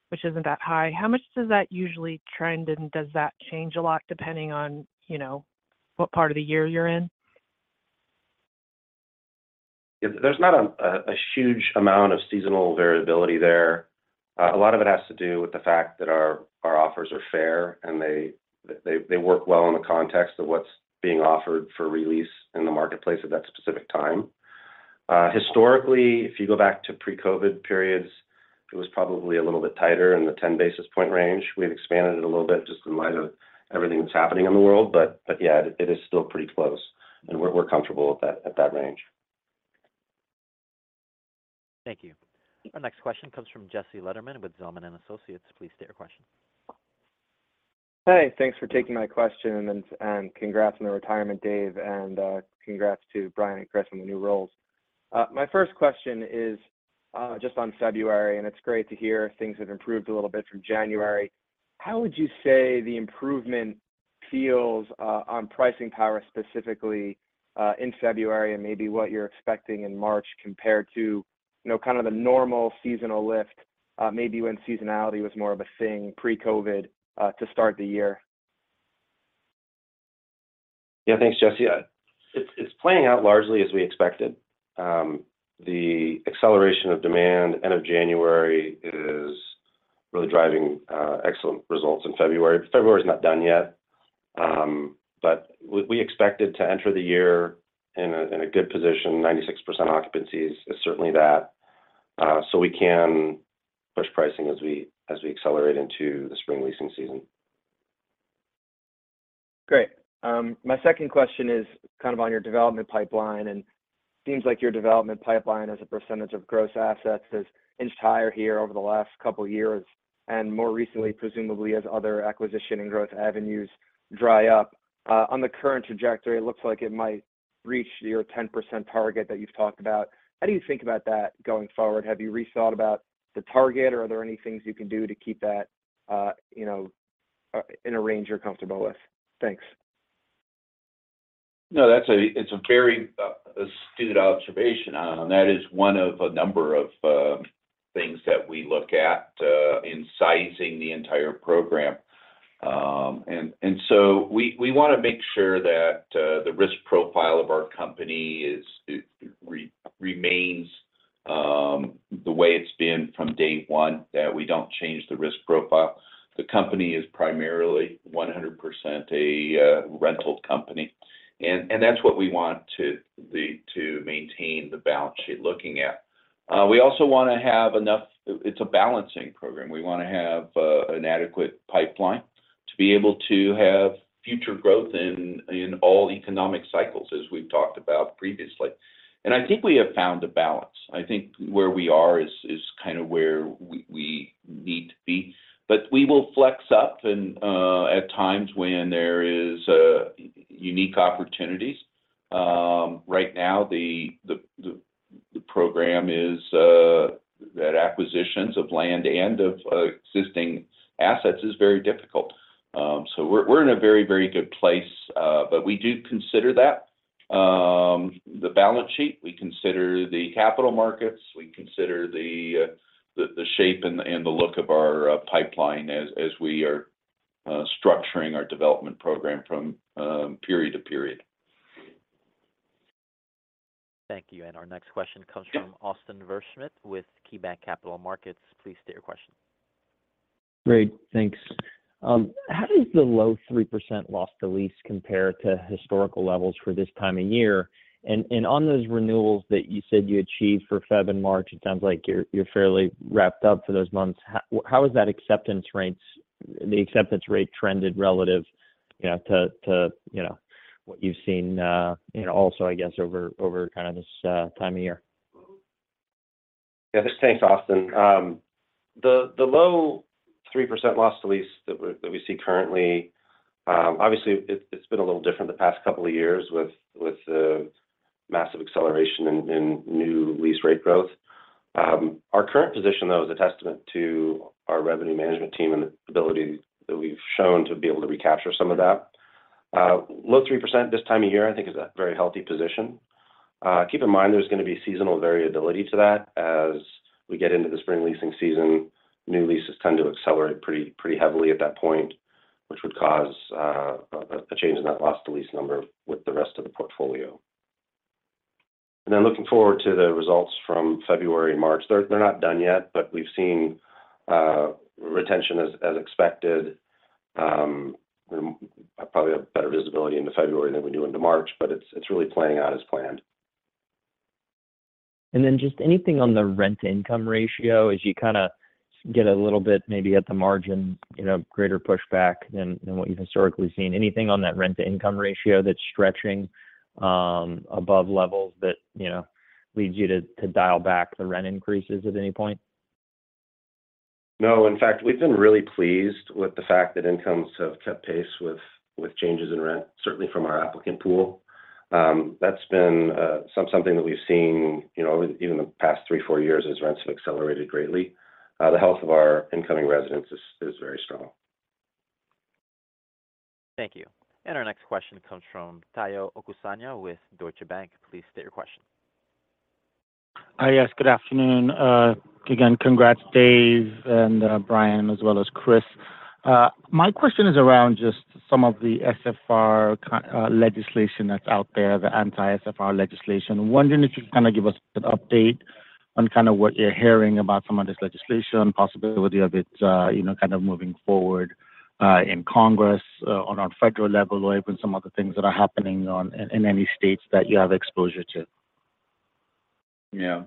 which isn't that high, how much does that usually trend, and does that change a lot depending on, you know, what part of the year you're in? Yeah. There's not a huge amount of seasonal variability there. A lot of it has to do with the fact that our offers are fair, and they work well in the context of what's being offered for release in the marketplace at that specific time. Historically, if you go back to pre-COVID periods, it was probably a little bit tighter in the 10 basis point range. We've expanded it a little bit just in light of everything that's happening in the world, but yeah, it is still pretty close, and we're comfortable at that range. Thank you. Our next question comes from Jesse Lederman with Zelman & Associates. Please state your question. Hey, thanks for taking my question, and congrats on the retirement, Dave, and congrats to Bryan and Chris on the new roles. My first question is just on February, and it's great to hear things have improved a little bit from January. How would you say the improvement feels on pricing power, specifically in February and maybe what you're expecting in March compared to, you know, kind of the normal seasonal lift, maybe when seasonality was more of a thing pre-COVID to start the year? Yeah. Thanks, Jesse. It's playing out largely as we expected. The acceleration of demand end of January is really driving excellent results in February. February is not done yet, but we expected to enter the year in a good position. 96% occupancies is certainly that. So we can push pricing as we accelerate into the spring leasing season. Great. My second question is kind of on your development pipeline, and seems like your development pipeline as a percentage of gross assets has inched higher here over the last couple of years, and more recently, presumably, as other acquisition and growth avenues dry up. On the current trajectory, it looks like it might reach your 10% target that you've talked about. How do you think about that going forward? Have you rethought about the target, or are there any things you can do to keep that, you know, in a range you're comfortable with? Thanks. No, that's, it's a very astute observation, and that is one of a number of things that we look at in sizing the entire program. And so we wanna make sure that the risk profile of our company remains the way it's been from day one, that we don't change the risk profile. The company is primarily 100% a rental company. And that's what we want to maintain the balance sheet looking at. We also wanna have enough. It's a balancing program. We wanna have an adequate pipeline to be able to have future growth in all economic cycles, as we've talked about previously. And I think we have found a balance. I think where we are is kind of where we need to be. But we will flex up and, at times when there is, unique opportunities. Right now, the program is that acquisitions of land and of, existing assets is very difficult. So we're in a very, very good place, but we do consider that. The balance sheet, we consider the capital markets, we consider the shape and the look of our pipeline as we are structuring our development program from period to period. Thank you. And our next question comes from Yeah Austin Wurschmidt with KeyBanc Capital Markets. Please state your question. Great, thanks. How does the low 3% Loss to Lease compare to historical levels for this time of year? On those renewals that you said you achieved for Feb and March, it sounds like you're fairly wrapped up for those months. How is that acceptance rates, the acceptance rate trended relative, you know, to, to, you know, what you've seen, you know, also, I guess, over kind of this time of year? Yeah, thanks, Austin. The low 3% Loss to Lease that we see currently, obviously, it's been a little different the past couple of years with massive acceleration in new lease rate growth. Our current position, though, is a testament to our revenue management team and the ability that we've shown to be able to recapture some of that. Low 3% this time of year, I think, is a very healthy position. Keep in mind there's gonna be seasonal variability to that as we get into the spring leasing season. New leases tend to accelerate pretty heavily at that point, which would cause a change in that Loss to Lease number with the rest of the portfolio. And I'm looking forward to the results from February and March. They're not done yet, but we've seen retention as expected. I probably have better visibility into February than we do into March, but it's really playing out as planned. Then just anything on the rent-to-income ratio as you kind of get a little bit, maybe at the margin, you know, greater pushback than what you've historically seen. Anything on that rent-to-income ratio that's stretching above levels that, you know, leads you to dial back the rent increases at any point? No. In fact, we've been really pleased with the fact that incomes have kept pace with changes in rent, certainly from our applicant pool. That's been something that we've seen, you know, even in the past three, four years as rents have accelerated greatly. The health of our incoming residents is very strong. Thank you. Our next question comes from Tayo Okusanya with Deutsche Bank. Please state your question. Hi, yes, good afternoon. Again, congrats, Dave and, Bryan, as well as Chris. My question is around just some of the SFR legislation that's out there, the anti-SFR legislation. I'm wondering if you can kind of give us an update on kind of what you're hearing about some of this legislation, possibility of it, you know, kind of moving forward, in Congress, on a federal level, or even some of the things that are happening in any states that you have exposure to. Yeah.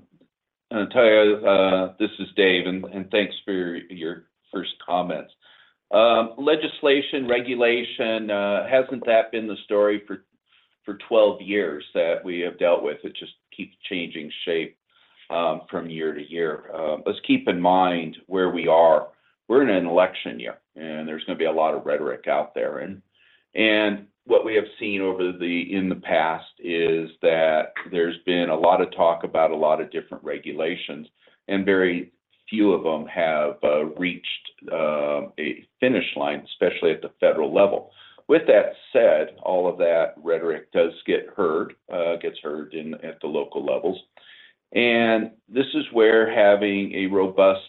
Tayo, this is Dave, and thanks for your first comments. Legislation, regulation, hasn't that been the story for 12 years that we have dealt with? It just keeps changing shape from year to year. Let's keep in mind where we are. We're in an election year, and there's gonna be a lot of rhetoric out there. What we have seen in the past is that there's been a lot of talk about a lot of different regulations, and very few of them have reached a finish line, especially at the federal level. With that said, all of that rhetoric does get heard at the local levels. And this is where having a robust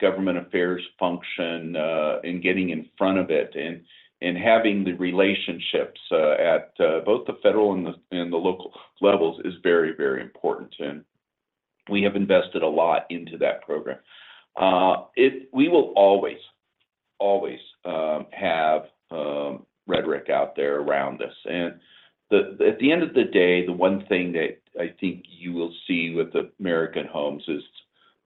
government affairs function and getting in front of it and having the relationships at both the federal and the local levels is very, very important, and we have invested a lot into that program. We will always, always, have rhetoric out there around us. And at the end of the day, the one thing that I think you will see with American Homes is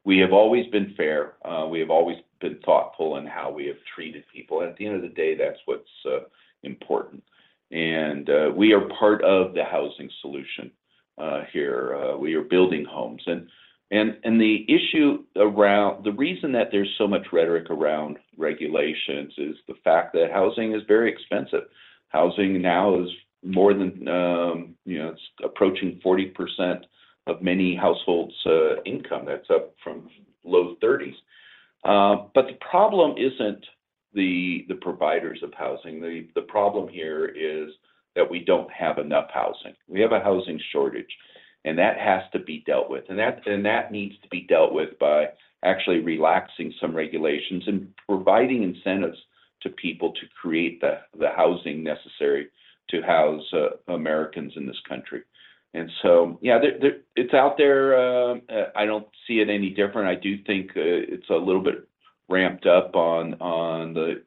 we have always been fair, we have always been thoughtful in how we have treated people. At the end of the day, that's what's important. And we are part of the housing solution here. We are building homes. And the reason that there's so much rhetoric around regulations is the fact that housing is very expensive. Housing now is more than, you know, it's approaching 40% of many households' income. That's up from low 30s. But the problem isn't the providers of housing. The problem here is that we don't have enough housing. We have a housing shortage, and that has to be dealt with, and that needs to be dealt with by actually relaxing some regulations and providing incentives to people to create the housing necessary to house Americans in this country. And so, yeah, it's out there. I don't see it any different. I do think it's a little bit ramped up on the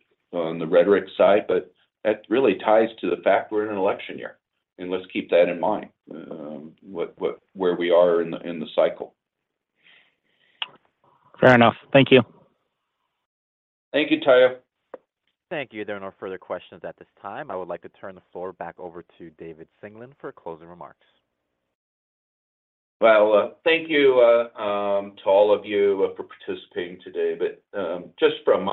rhetoric side, but that really ties to the fact we're in an election year, and let's keep that in mind, where we are in the cycle. Fair enough. Thank you. Thank you, Tayo. Thank you. There are no further questions at this time. I would like to turn the floor back over to David Singelyn for closing remarks. Well, thank you to all of you for participating today. But, just from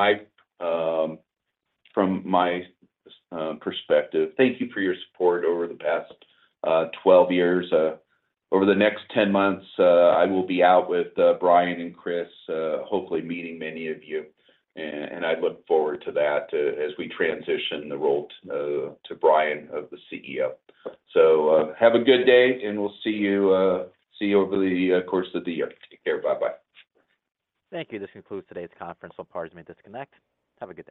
my perspective, thank you for your support over the past 12 years. Over the next 10 months, I will be out with Bryan and Chris, hopefully meeting many of you, and I look forward to that, as we transition the role to Bryan of the CEO. So, have a good day, and we'll see you over the course of the year. Take care. Bye-bye. Thank you. This concludes today's conference. All parties may disconnect. Have a good day.